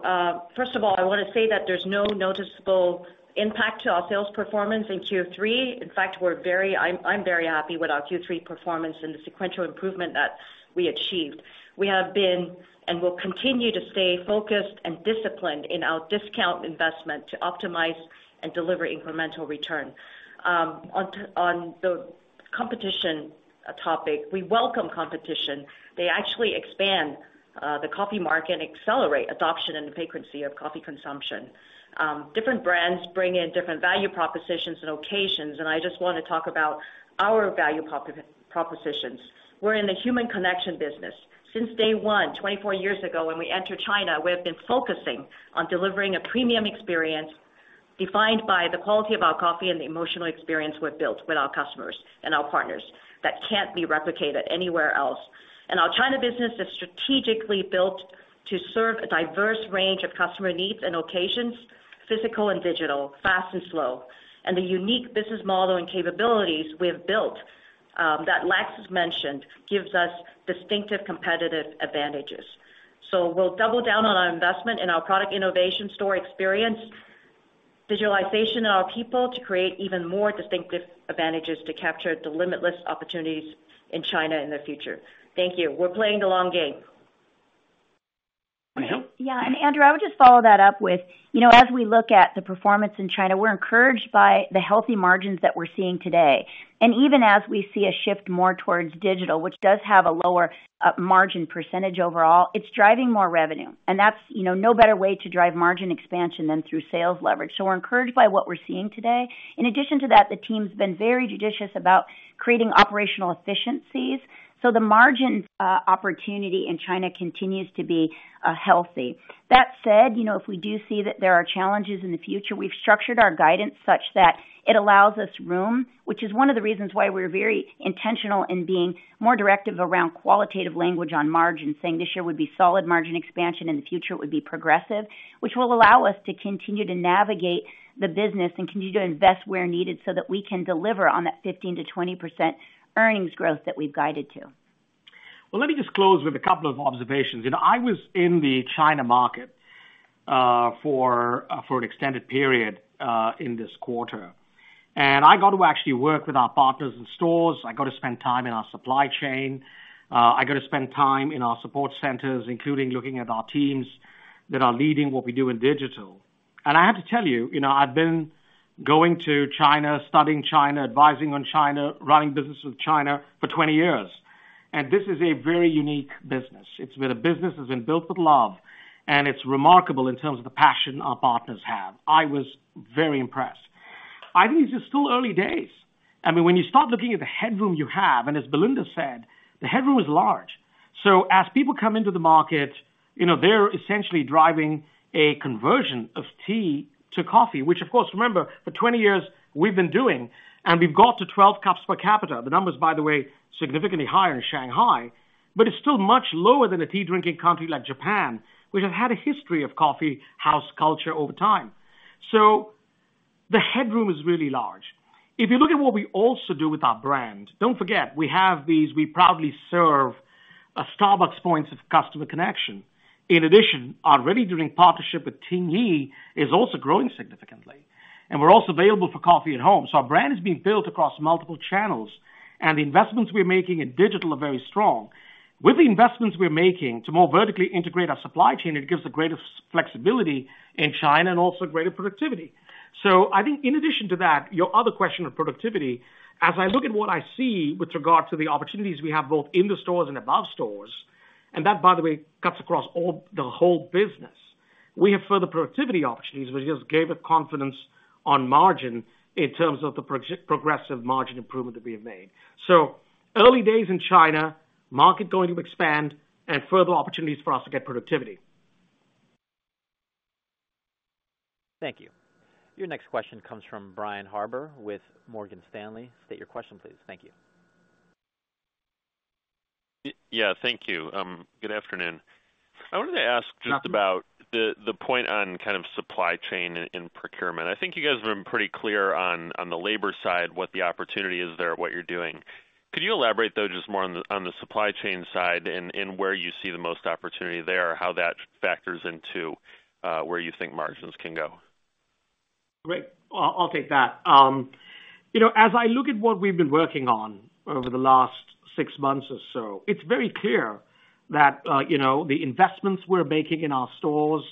[SPEAKER 8] First of all, I want to say that there's no noticeable impact to our sales performance in Q3. In fact, we're very-- I'm, I'm very happy with our Q3 performance and the sequential improvement that we achieved. We have been, and will continue to stay focused and disciplined in our discount investment to optimize and deliver incremental return. On t- on the competition topic, we welcome competition. They actually expand, the coffee market and accelerate adoption and frequency of coffee consumption. Different brands bring in different value propositions and occasions, and I just want to talk about our value prop- propositions. We're in the human connection business. Since day 1, 24 years ago, when we entered China, we have been focusing on delivering a premium experience defined by the quality of our coffee and the emotional experience we've built with our customers and our partners that can't be replicated anywhere else. Our China business is strategically built to serve a diverse range of customer needs and occasions, physical and digital, fast and slow. The unique business model and capabilities we have built, that Lax has mentioned, gives us distinctive competitive advantages. We'll double down on our investment in our product innovation store experience, visualization of our people to create even more distinctive advantages to capture the limitless opportunities in China in the future. Thank you. We're playing the long game.
[SPEAKER 3] Rachel?
[SPEAKER 4] Yeah, Andrew, I would just follow that up with, you know, as we look at the performance in China, we're encouraged by the healthy margins that we're seeing today. Even as we see a shift more towards digital, which does have a lower margin % overall, it's driving more revenue, and that's, you know, no better way to drive margin expansion than through sales leverage. We're encouraged by what we're seeing today. In addition to that, the team's been very judicious about creating operational efficiencies, the margin opportunity in China continues to be healthy. That said, you know, if we do see that there are challenges in the future, we've structured our guidance such that it allows us room, which is one of the reasons why we're very intentional in being more directive around qualitative language on margins, saying this year would be solid margin expansion, in the future, it would be progressive. Which will allow us to continue to navigate the business and continue to invest where needed, so that we can deliver on that 15%-20% earnings growth that we've guided to.
[SPEAKER 3] Well, let me just close with a couple of observations. You know, I was in the China market for an extended period in this quarter, and I got to actually work with our partners and stores. I got to spend time in our supply chain. I got to spend time in our support centers, including looking at our teams that are leading what we do in digital. I have to tell you, you know, I've been going to China, studying China, advising on China, running business with China for 20 years, and this is a very unique business. It's where the business has been built with love, and it's remarkable in terms of the passion our partners have. I was very impressed. I think it's still early days. I mean, when you start looking at the headroom you have, and as Belinda said, the headroom is large. As people come into the market, you know, they're essentially driving a conversion of tea to coffee, which of course, remember, for 20 years we've been doing, and we've got to 12 cups per capita. The numbers, by the way, significantly higher in Shanghai, but it's still much lower than a tea-drinking country like Japan, which have had a history of coffee house culture over time. The headroom is really large. If you look at what we also do with our brand, don't forget, we have these, We Proudly Serve Starbucks points of customer connection. In addition, our ready drink partnership with Tingyi is also growing significantly, and we're also available for coffee at home. Our brand is being built across multiple channels, and the investments we're making in digital are very strong. With the investments we're making to more vertically integrate our supply chain, it gives the greatest flexibility in China and also greater productivity. I think in addition to that, your other question on productivity, as I look at what I see with regard to the opportunities we have, both in the stores and above stores, and that, by the way, cuts across the whole business. We have further productivity opportunities, which just gave us confidence on margin in terms of the progressive margin improvement that we have made. Early days in China, market going to expand and further opportunities for us to get productivity.
[SPEAKER 1] Thank you. Your next question comes from Brian Harbour with Morgan Stanley. State your question, please. Thank you.
[SPEAKER 9] Yeah, thank you. Good afternoon. I wanted to ask just about the point on kind of supply chain and procurement, I think you guys have been pretty clear on the labor side, what the opportunity is there, what you're doing. Could you elaborate, though, just more on the supply chain side and where you see the most opportunity there, how that factors into where you think margins can go?
[SPEAKER 3] Great. I'll, I'll take that. You know, as I look at what we've been working on over the last six months or so, it's very clear that, you know, the investments we're making in our stores,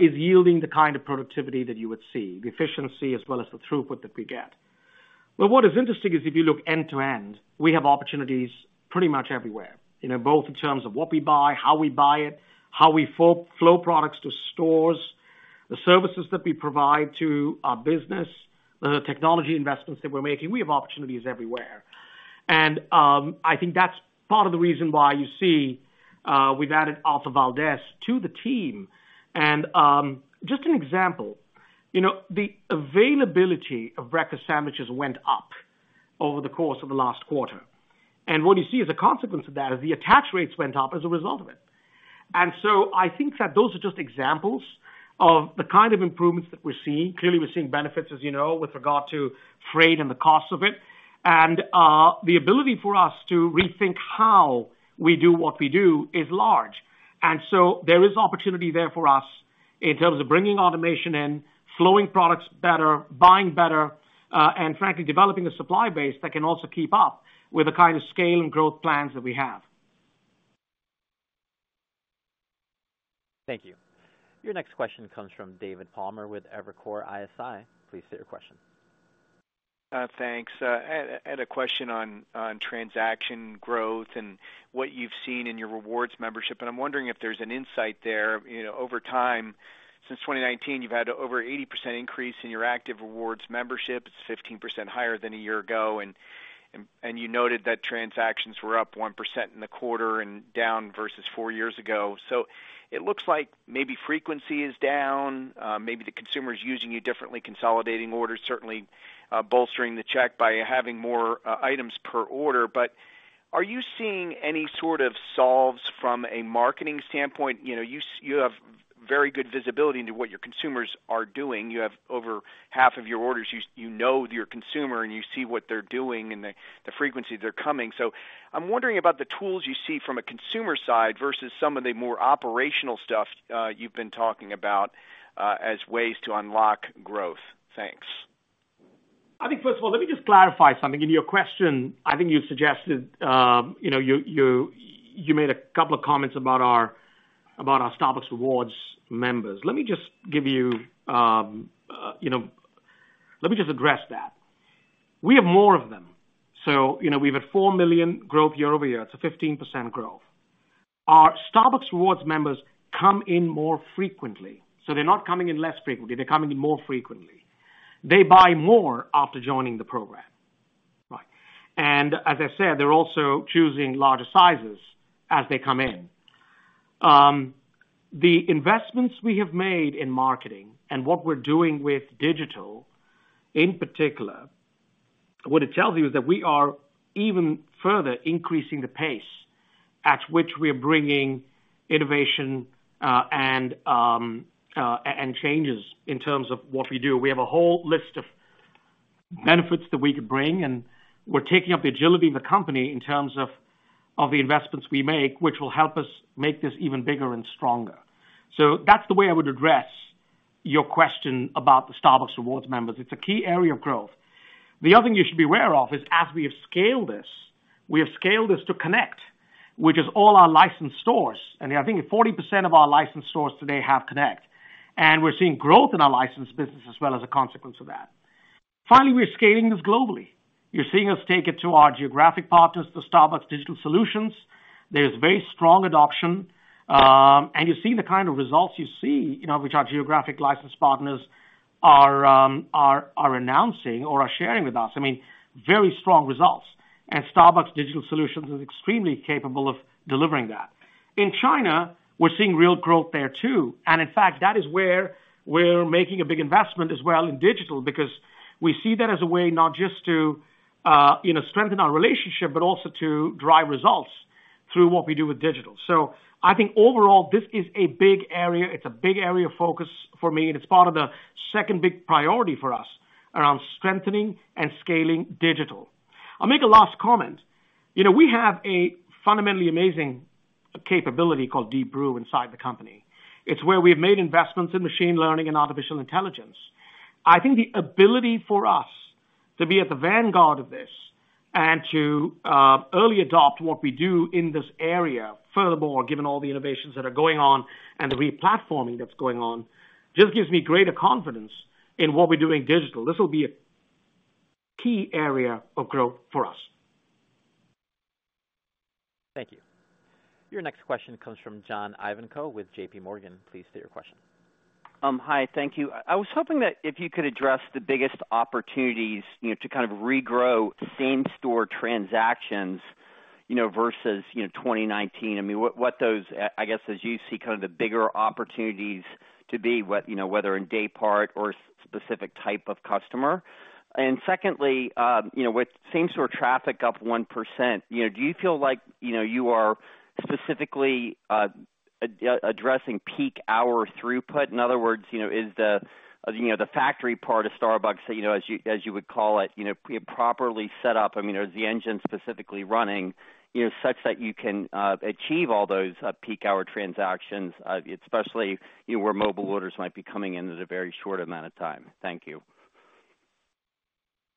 [SPEAKER 3] is yielding the kind of productivity that you would see, the efficiency as well as the throughput that we get. What is interesting is if you look end to end, we have opportunities pretty much everywhere, you know, both in terms of what we buy, how we buy it, how we flow products to stores, the services that we provide to our business, the technology investments that we're making, we have opportunities everywhere. I think that's part of the reason why you see, we've added Arthur Valdez to the team. Just an example, you know, the availability of breakfast sandwiches went up over the course of the last quarter. What you see as a consequence of that, is the attach rates went up as a result of it. I think that those are just examples of the kind of improvements that we're seeing. Clearly, we're seeing benefits, as you know, with regard to freight and the costs of it. The ability for us to rethink how we do what we do is large. There is opportunity there for us in terms of bringing automation in, flowing products better, buying better, and frankly, developing a supply base that can also keep up with the kind of scale and growth plans that we have.
[SPEAKER 1] Thank you. Your next question comes from David Palmer with Evercore ISI. Please state your question.
[SPEAKER 10] Thanks. I had a question on transaction growth and what you've seen in your rewards membership, and I'm wondering if there's an insight there. You know, over time, since 2019, you've had over 80% increase in your active rewards membership. It's 15% higher than a year ago, and you noted that transactions were up 1% in the quarter and down versus 4 years ago. So it looks like maybe frequency is down, maybe the consumer is using you differently, consolidating orders, certainly bolstering the check by having more items per order. But are you seeing any sort of solves from a marketing standpoint? You know, you have very good visibility into what your consumers are doing. You have over half of your orders, you, you know your consumer, and you see what they're doing and the, the frequency they're coming. I'm wondering about the tools you see from a consumer side versus some of the more operational stuff, you've been talking about, as ways to unlock growth. Thanks.
[SPEAKER 3] I think, first of all, let me just clarify something. In your question, I think you suggested, you know, you, you, you made 2 comments about our, about our Starbucks Rewards members. Let me just give you, you know, let me just address that. We have more of them. You know, we've had 4 million growth year-over-year. It's a 15% growth. Our Starbucks Rewards members come in more frequently, they're not coming in less frequently, they're coming in more frequently. They buy more after joining the program. Right. As I said, they're also choosing larger sizes as they come in. The investments we have made in marketing and what we're doing with digital, in particular, what it tells you is that we are even further increasing the pace at which we are bringing innovation and changes in terms of what we do. We have a whole list of benefits that we could bring, and we're taking up the agility of the company in terms of, of the investments we make, which will help us make this even bigger and stronger. That's the way I would address your question about the Starbucks Rewards members. It's a key area of growth. The other thing you should be aware of is, as we have scaled this, we have scaled this to Connect, which is all our licensed stores, and I think 40% of our licensed stores today have Connect, and we're seeing growth in our licensed business as well as a consequence of that. Finally, we're scaling this globally. You're seeing us take it to our geographic partners, the Starbucks Digital Solutions. There's very strong adoption, and you're seeing the kind of results you see, you know, which our geographic licensed partners are announcing or are sharing with us. I mean, very strong results. Starbucks Digital Solutions is extremely capable of delivering that. In China, we're seeing real growth there, too. In fact, that is where we're making a big investment as well in digital, because we see that as a way not just to, you know, strengthen our relationship, but also to drive results through what we do with digital. I think overall, this is a big area. It's a big area of focus for me, and it's part of the second big priority for us around strengthening and scaling digital. I'll make a last comment. You know, we have a fundamentally amazing capability called Deep Brew inside the company. It's where we've made investments in machine learning and artificial intelligence. I think the ability for us to be at the vanguard of this and to early adopt what we do in this area, furthermore, given all the innovations that are going on and the replatforming that's going on, just gives me greater confidence in what we do in digital. This will be a key area of growth for us.
[SPEAKER 1] Thank you. Your next question comes from John Ivankoe with JPMorgan. Please state your question.
[SPEAKER 11] Hi, thank you. I was hoping that if you could address the biggest opportunities, you know, to kind of regrow same-store transactions, you know, versus, you know, 2019. I mean, what, what those, I guess, as you see kind of the bigger opportunities to be, what, you know, whether in day part or specific type of customer? Secondly, you know, with same-store traffic up 1%, you know, do you feel like, you know, you are specifically addressing peak hour throughput? In other words, you know, is the, you know, the factory part of Starbucks, you know, as you, as you would call it, you know, properly set up? I mean, is the engine specifically running, you know, such that you can achieve all those peak hour transactions, especially, you know, where mobile orders might be coming in at a very short amount of time? Thank you.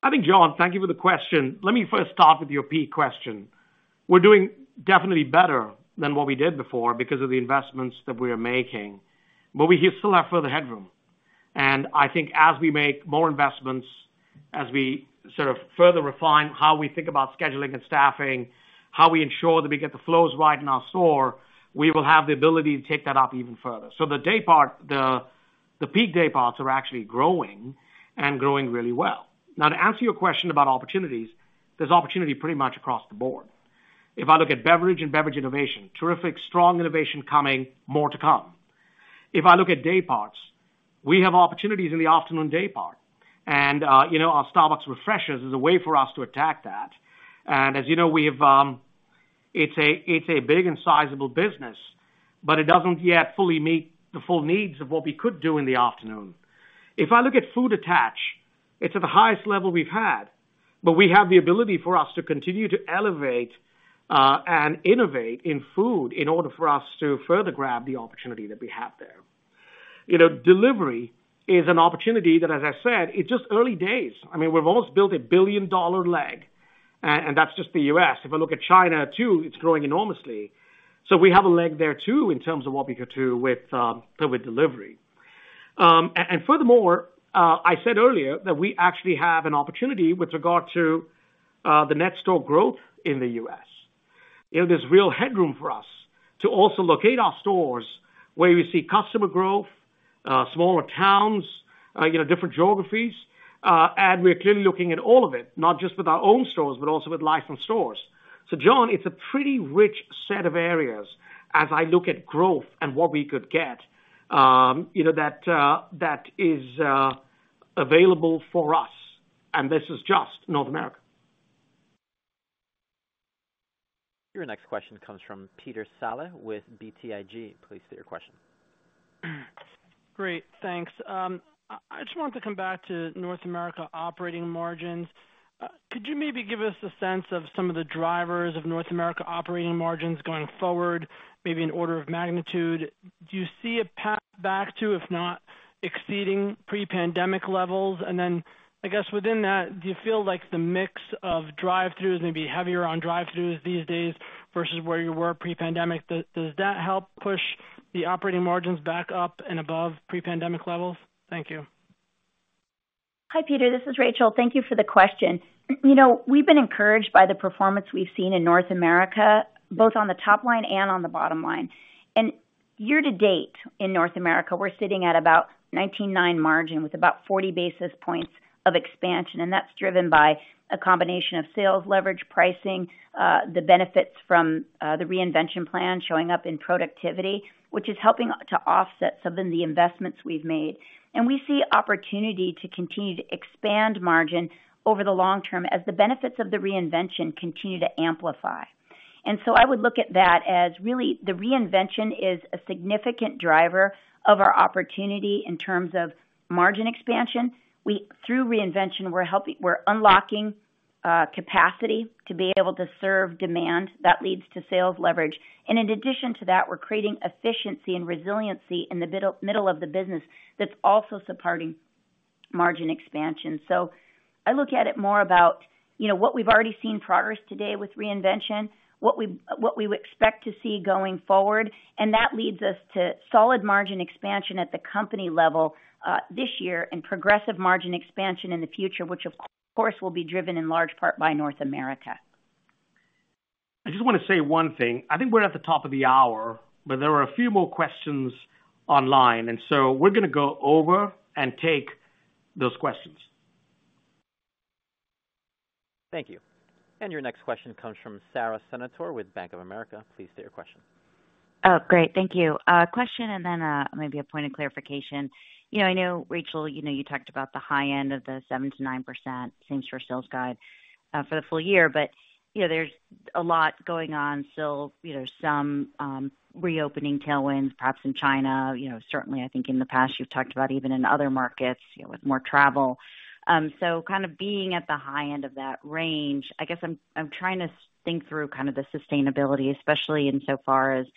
[SPEAKER 3] I think, John, thank you for the question. Let me first start with your peak question. We're doing definitely better than what we did before because of the investments that we are making, but we still have further headroom. I think as we make more investments, as we sort of further refine how we think about scheduling and staffing, how we ensure that we get the flows right in our store, we will have the ability to take that up even further. The day part, the peak day parts are actually growing and growing really well. Now, to answer your question about opportunities, there's opportunity pretty much across the board. If I look at beverage and beverage innovation, terrific, strong innovation coming, more to come. If I look at day parts, we have opportunities in the afternoon day part, and, you know, our Starbucks Refreshers is a way for us to attack that. As you know, we've, it's a, it's a big and sizable business, but it doesn't yet fully meet the full needs of what we could do in the afternoon. If I look at food attach, it's at the highest level we've had, but we have the ability for us to continue to elevate and innovate in food in order for us to further grab the opportunity that we have there. You know, delivery is an opportunity that, as I said, it's just early days. I mean, we've almost built a billion-dollar leg, and that's just the US. If I look at China, too, it's growing enormously. We have a leg there, too, in terms of what we could do with delivery. Furthermore, I said earlier that we actually have an opportunity with regard to the net store growth in the U.S. You know, there's real headroom for us to also locate our stores where we see customer growth, smaller towns, you know, different geographies, and we're clearly looking at all of it, not just with our own stores, but also with licensed stores. John, it's a pretty rich set of areas as I look at growth and what we could get, you know, that is available for us, and this is just North America.
[SPEAKER 1] Your next question comes from Peter Saleh with BTIG. Please state your question.
[SPEAKER 12] Great, thanks. I just wanted to come back to North America operating margins. Could you maybe give us a sense of some of the drivers of North America operating margins going forward, maybe in order of magnitude? Do you see a path back to, if not exceeding, pre-pandemic levels? Then, I guess within that, do you feel like the mix of drive-throughs may be heavier on drive-throughs these days versus where you were pre-pandemic? Does, does that help push the operating margins back up and above pre-pandemic levels? Thank you.
[SPEAKER 4] Hi, Peter, this is Rachel. Thank you for the question. You know, we've been encouraged by the performance we've seen in North America, both on the top line and on the bottom line. Year to date, in North America, we're sitting at about 19.9% margin, with about 40 basis points of expansion, and that's driven by a combination of sales, leverage, pricing, the benefits from the reinvention plan showing up in productivity, which is helping to offset some of the investments we've made. We see opportunity to continue to expand margin over the long term as the benefits of the reinvention continue to amplify. I would look at that as really, the reinvention is a significant driver of our opportunity in terms of margin expansion. Through reinvention, we're unlocking capacity to be able to serve demand that leads to sales leverage. In addition to that, we're creating efficiency and resiliency in the middle, middle of the business that's also supporting margin expansion. I look at it more about, you know, what we've already seen progress today with reinvention, what we, what we would expect to see going forward, and that leads us to solid margin expansion at the company level this year, and progressive margin expansion in the future, which of course, will be driven in large part by North America.
[SPEAKER 3] I just want to say one thing. I think we're at the top of the hour, but there are a few more questions online, and so we're going to go over and take those questions.
[SPEAKER 1] Thank you. Your next question comes from Sara Senatore with Bank of America. Please state your question.
[SPEAKER 13] Oh, great. Thank you. A question and then, maybe a point of clarification. You know, I know, Rachel, you know, you talked about the high end of the 7%-9% same-store sales guide for the full year, but, you know, there's a lot going on still, you know, some reopening tailwinds, perhaps in China. You know, certainly, I think in the past, you've talked about even in other markets, you know, with more travel. Kind of being at the high end of that range, I guess I'm, I'm trying to think through kind of the sustainability, especially in so far as,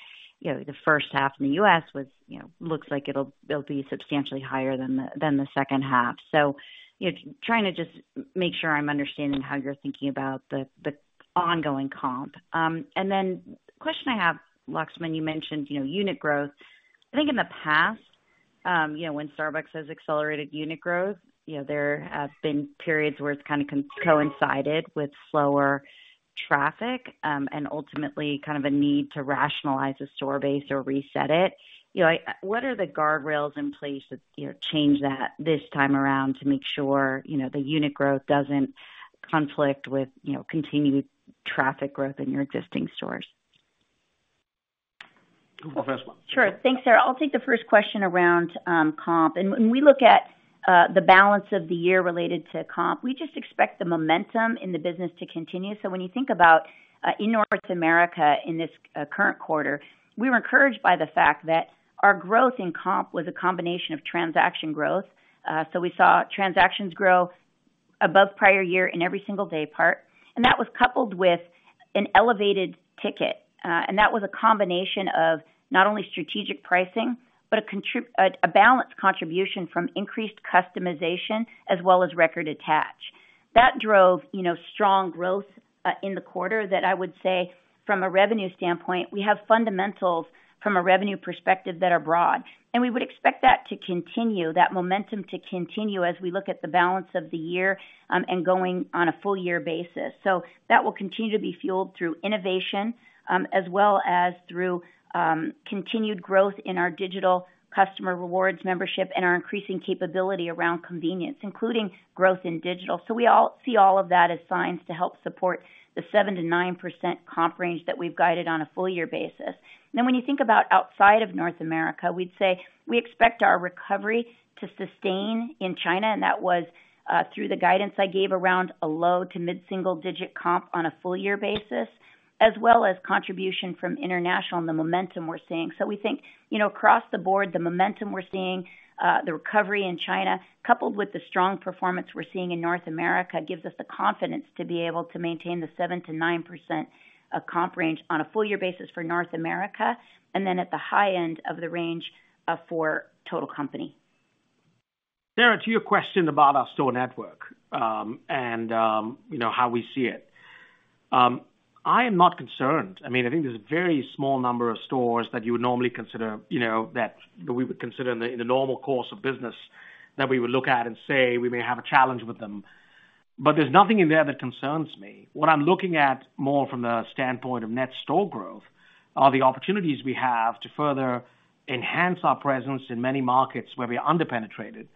[SPEAKER 13] you know, the first half in the US was, you know, looks like it'll, it'll be substantially higher than the, than the second half. You know, trying to just make sure I'm understanding how you're thinking about the, the ongoing comp. The question I have, Laxman, you mentioned, you know, unit growth. I think in the past, you know, when Starbucks has accelerated unit growth, you know, there have been periods where it's kind of coincided with slower traffic, and ultimately, kind of a need to rationalize the store base or reset it. You know, what are the guardrails in place that, you know, change that this time around to make sure, you know, the unit growth doesn't conflict with, you know, continued traffic growth in your existing stores?
[SPEAKER 3] I'll go first one.
[SPEAKER 4] Sure. Thanks, Sara. I'll take the first question around comp. When we look at the balance of the year related to comp, we just expect the momentum in the business to continue. When you think about in North America in this current quarter, we were encouraged by the fact that our growth in comp was a combination of transaction growth. We saw transactions grow above prior year in every single day part, and that was coupled with an elevated ticket. That was a combination of not only strategic pricing, but a balanced contribution from increased customization as well as record attach. That drove, you know, strong growth in the quarter that I would say, from a revenue standpoint, we have fundamentals from a revenue perspective that are broad. We would expect that to continue, that momentum to continue as we look at the balance of the year, and going on a full year basis. That will continue to be fueled through innovation, as well as through continued growth in our digital customer rewards membership and our increasing capability around convenience, including growth in digital. We see all of that as signs to help support the 7%-9% comp range that we've guided on a full year basis. When you think about outside of North America, we'd say, we expect our recovery to sustain in China, and that was through the guidance I gave around a low to mid-single digit comp on a full year basis, as well as contribution from international and the momentum we're seeing. we think, you know, across the board, the momentum we're seeing, the recovery in China, coupled with the strong performance we're seeing in North America, gives us the confidence to be able to maintain the 7%-9%, of comp range on a full year basis for North America, and then at the high end of the range, for total company.
[SPEAKER 3] Sarah, to your question about our store network, and, you know, how we see it. I am not concerned. I mean, I think there's a very small number of stores that you would normally consider, you know, that we would consider in the, in the normal course of business, that we would look at and say, we may have a challenge with them. There's nothing in there that concerns me. What I'm looking at more from the standpoint of net store growth, are the opportunities we have to further enhance our presence in many markets where we are under-penetrated,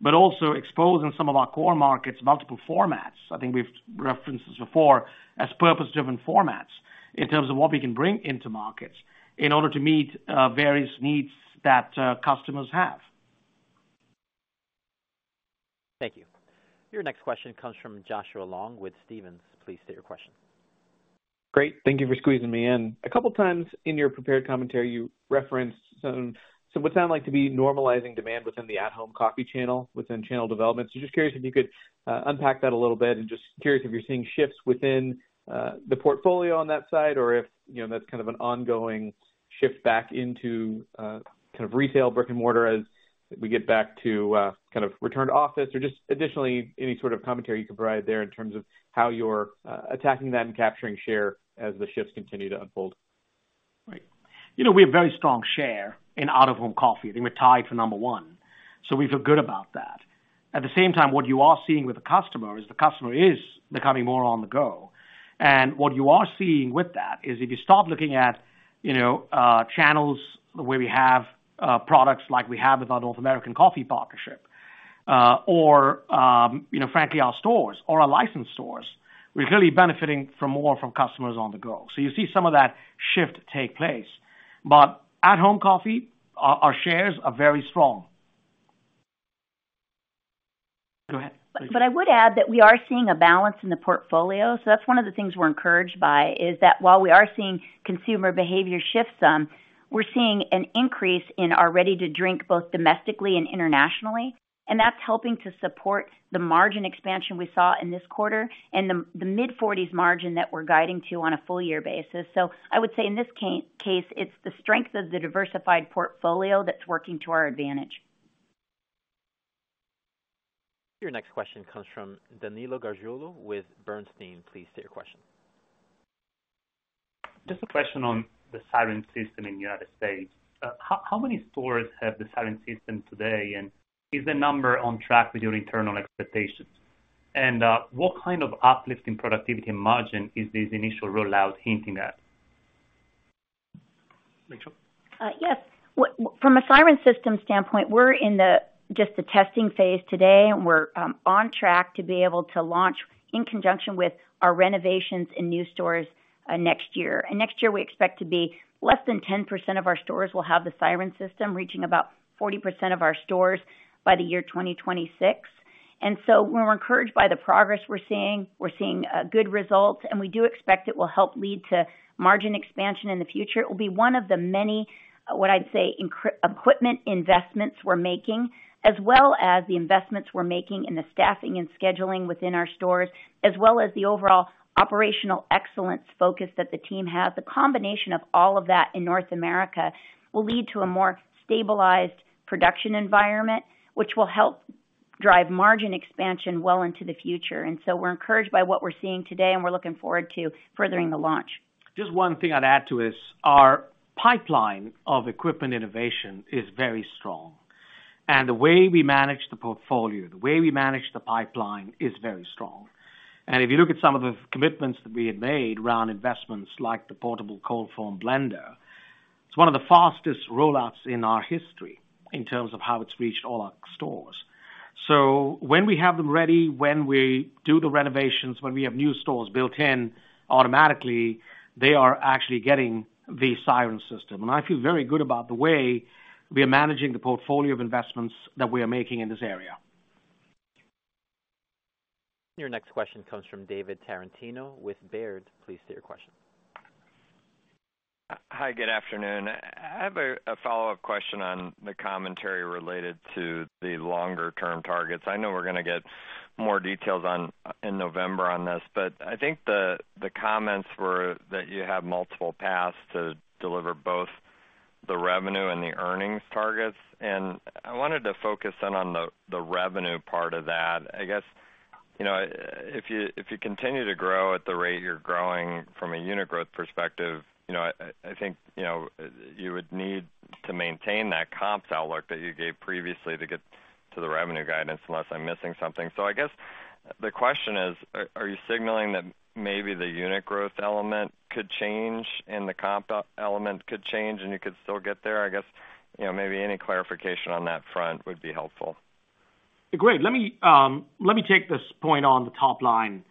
[SPEAKER 3] but also exposing some of our core markets, multiple formats. I think we've referenced this before, as purpose-driven formats in terms of what we can bring into markets in order to meet various needs that customers have.
[SPEAKER 1] Thank you. Your next question comes from Joshua Long with Stephens. Please state your question.
[SPEAKER 14] Great, thank you for squeezing me in. A couple times in your prepared commentary, you referenced some, some what sound like to be normalizing demand within the at-home coffee channel, within channel development. Just curious if you could unpack that a little bit and just curious if you're seeing shifts within the portfolio on that side, or if, you know, that's kind of an ongoing shift back into kind of retail, brick-and-mortar as we get back to kind of return to office, or just additionally, any sort of commentary you could provide there in terms of how you're attacking that and capturing share as the shifts continue to unfold.
[SPEAKER 3] Right. You know, we have very strong share in out-of-home coffee. I think we're tied for number one, so we feel good about that. At the same time, what you are seeing with the customer, is the customer is becoming more on the go. What you are seeing with that is if you start looking at, you know, channels where we have products like we have with our North American Coffee Partnership, or, you know, frankly, our stores or our licensed stores, we're clearly benefiting from more from customers on the go. You see some of that shift take place. At-home coffee, our, our shares are very strong. Go ahead.
[SPEAKER 4] I would add that we are seeing a balance in the portfolio. That's one of the things we're encouraged by, is that while we are seeing consumer behavior shift some, we're seeing an increase in our ready-to-drink, both domestically and internationally, and that's helping to support the margin expansion we saw in this quarter and the mid-40s margin that we're guiding to on a full year basis. I would say in this case, it's the strength of the diversified portfolio that's working to our advantage.
[SPEAKER 1] Your next question comes from Danilo Gargiulo with Bernstein. Please state your question.
[SPEAKER 15] Just a question on the Siren System in the United States. How many stores have the Siren System today, and is the number on track with your internal expectations? What kind of uplift in productivity and margin is this initial rollout hinting at?
[SPEAKER 4] Yes. From a Siren System standpoint, we're in the, just the testing phase today, and we're on track to be able to launch in conjunction with our renovations in new stores next year. Next year, we expect to be less than 10% of our stores will have the Siren System, reaching about 40% of our stores by the year 2026. We're encouraged by the progress we're seeing. We're seeing good results, and we do expect it will help lead to margin expansion in the future. It will be one of the many, what I'd say, incr- equipment investments we're making, as well as the investments we're making in the staffing and scheduling within our stores, as well as the overall operational excellence focus that the team has. The combination of all of that in North America will lead to a more stabilized production environment, which will help drive margin expansion well into the future. We're encouraged by what we're seeing today, and we're looking forward to furthering the launch.
[SPEAKER 3] Just one thing I'd add to is, our pipeline of equipment innovation is very strong, and the way we manage the portfolio, the way we manage the pipeline, is very strong. If you look at some of the commitments that we had made around investments like the portable cold foam blender. It's one of the fastest rollouts in our history in terms of how it's reached all our stores. When we have them ready, when we do the renovations, when we have new stores built in, automatically, they are actually getting the Siren System. I feel very good about the way we are managing the portfolio of investments that we are making in this area.
[SPEAKER 1] Your next question comes from David Tarantino with Baird. Please state your question.
[SPEAKER 16] Hi, good afternoon. I have a follow-up question on the commentary related to the longer-term targets. I know we're going to get more details in November on this, but I think the comments were that you have multiple paths to deliver both the revenue and the earnings targets. I wanted to focus in on the revenue part of that. I guess, you know, if you, if you continue to grow at the rate you're growing from a unit growth perspective, you know, I think, you know, you would need to maintain that comps outlook that you gave previously to get to the revenue guidance, unless I'm missing something. I guess the question is, are you signaling that maybe the unit growth element could change, and the comp element could change, and you could still get there? I guess, you know, maybe any clarification on that front would be helpful.
[SPEAKER 3] Great! Let me, let me take this point on the top line.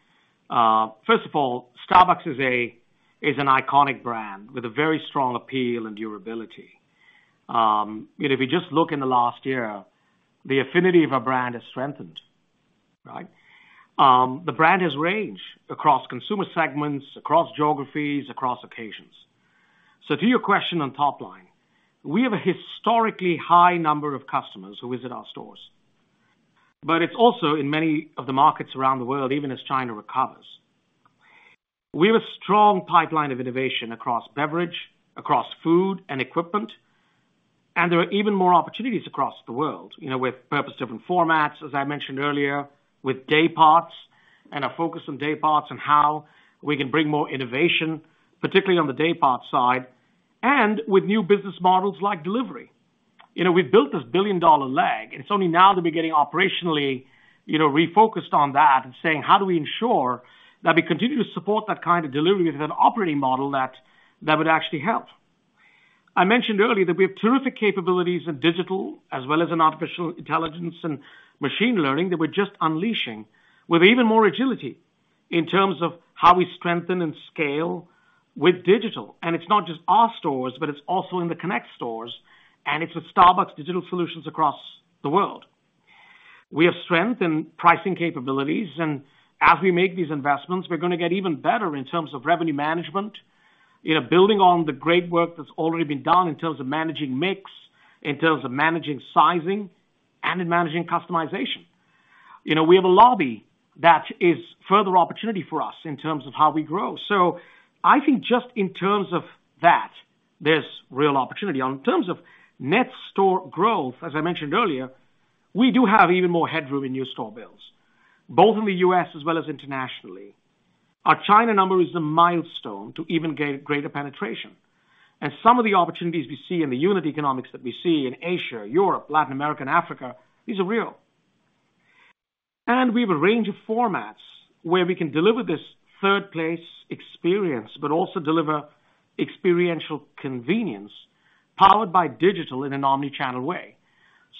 [SPEAKER 3] First of all, Starbucks is a, is an iconic brand with a very strong appeal and durability. If you just look in the last year, the affinity of our brand has strengthened, right? The brand has range across consumer segments, across geographies, across occasions. To your question on top line, we have a historically high number of customers who visit our stores, but it's also in many of the markets around the world, even as China recovers. We have a strong pipeline of innovation across beverage, across food and equipment. There are even more opportunities across the world, you know, with purpose-driven formats, as I mentioned earlier, with day parts and a focus on day parts and how we can bring more innovation, particularly on the day part side, and with new business models like delivery. You know, we've built this $1 billion leg. It's only now that we're getting operationally, you know, refocused on that and saying: How do we ensure that we continue to support that kind of delivery with an operating model that, that would actually help? I mentioned earlier that we have terrific capabilities in digital as well as in artificial intelligence and machine learning, that we're just unleashing with even more agility in terms of how we strengthen and scale with digital. It's not just our stores, but it's also in the Connect stores, and it's with Starbucks Digital Solutions across the world. We have strength in pricing capabilities, and as we make these investments, we're gonna get even better in terms of revenue management, you know, building on the great work that's already been done in terms of managing mix, in terms of managing sizing, and in managing customization. You know, we have a lobby that is further opportunity for us in terms of how we grow. I think just in terms of that, there's real opportunity. On terms of net store growth, as I mentioned earlier, we do have even more headroom in new store builds, both in the US as well as internationally. Our China number is a milestone to even gain greater penetration, some of the opportunities we see in the unit economics that we see in Asia, Europe, Latin America, and Africa, these are real. We have a range of formats where we can deliver this third place experience, but also deliver experiential convenience, powered by digital in an omni-channel way.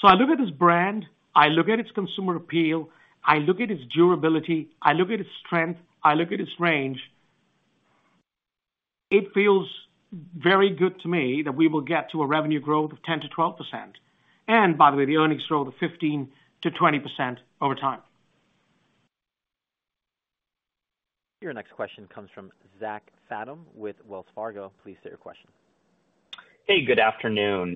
[SPEAKER 3] I look at this brand, I look at its consumer appeal, I look at its durability, I look at its strength, I look at its range. It feels very good to me that we will get to a revenue growth of 10%-12%, and by the way, the earnings growth of 15%-20% over time.
[SPEAKER 1] Your next question comes from Zachary Fadem with Wells Fargo. Please state your question.
[SPEAKER 17] Hey, good afternoon.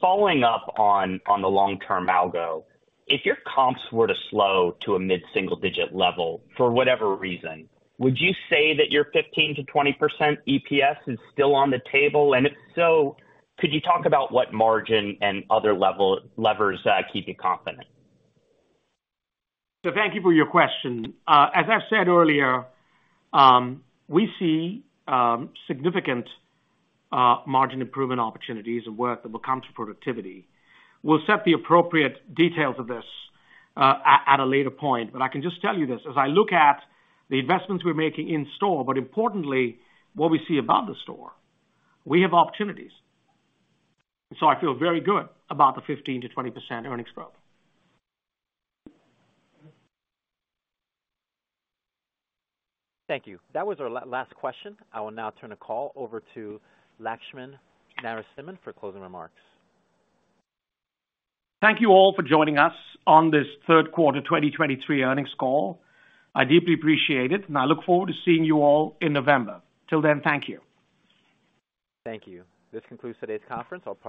[SPEAKER 17] Following up on, on the long-term algo, if your comps were to slow to a mid-single-digit level, for whatever reason, would you say that your 15%-20% EPS is still on the table? If so, could you talk about what margin and other levers keep you confident?
[SPEAKER 3] Thank you for your question. As I said earlier, we see significant margin improvement opportunities and work that will count to productivity. We'll set the appropriate details of this at, at a later point, but I can just tell you this: As I look at the investments we're making in store, but importantly, what we see above the store, we have opportunities. I feel very good about the 15%-20% earnings growth.
[SPEAKER 1] Thank you. That was our last question. I will now turn the call over to Laxman Narasimhan for closing remarks.
[SPEAKER 3] Thank you all for joining us on this third quarter 2023 earnings call. I deeply appreciate it, and I look forward to seeing you all in November. Till then, thank you.
[SPEAKER 1] Thank you. This concludes today's conference. All parties-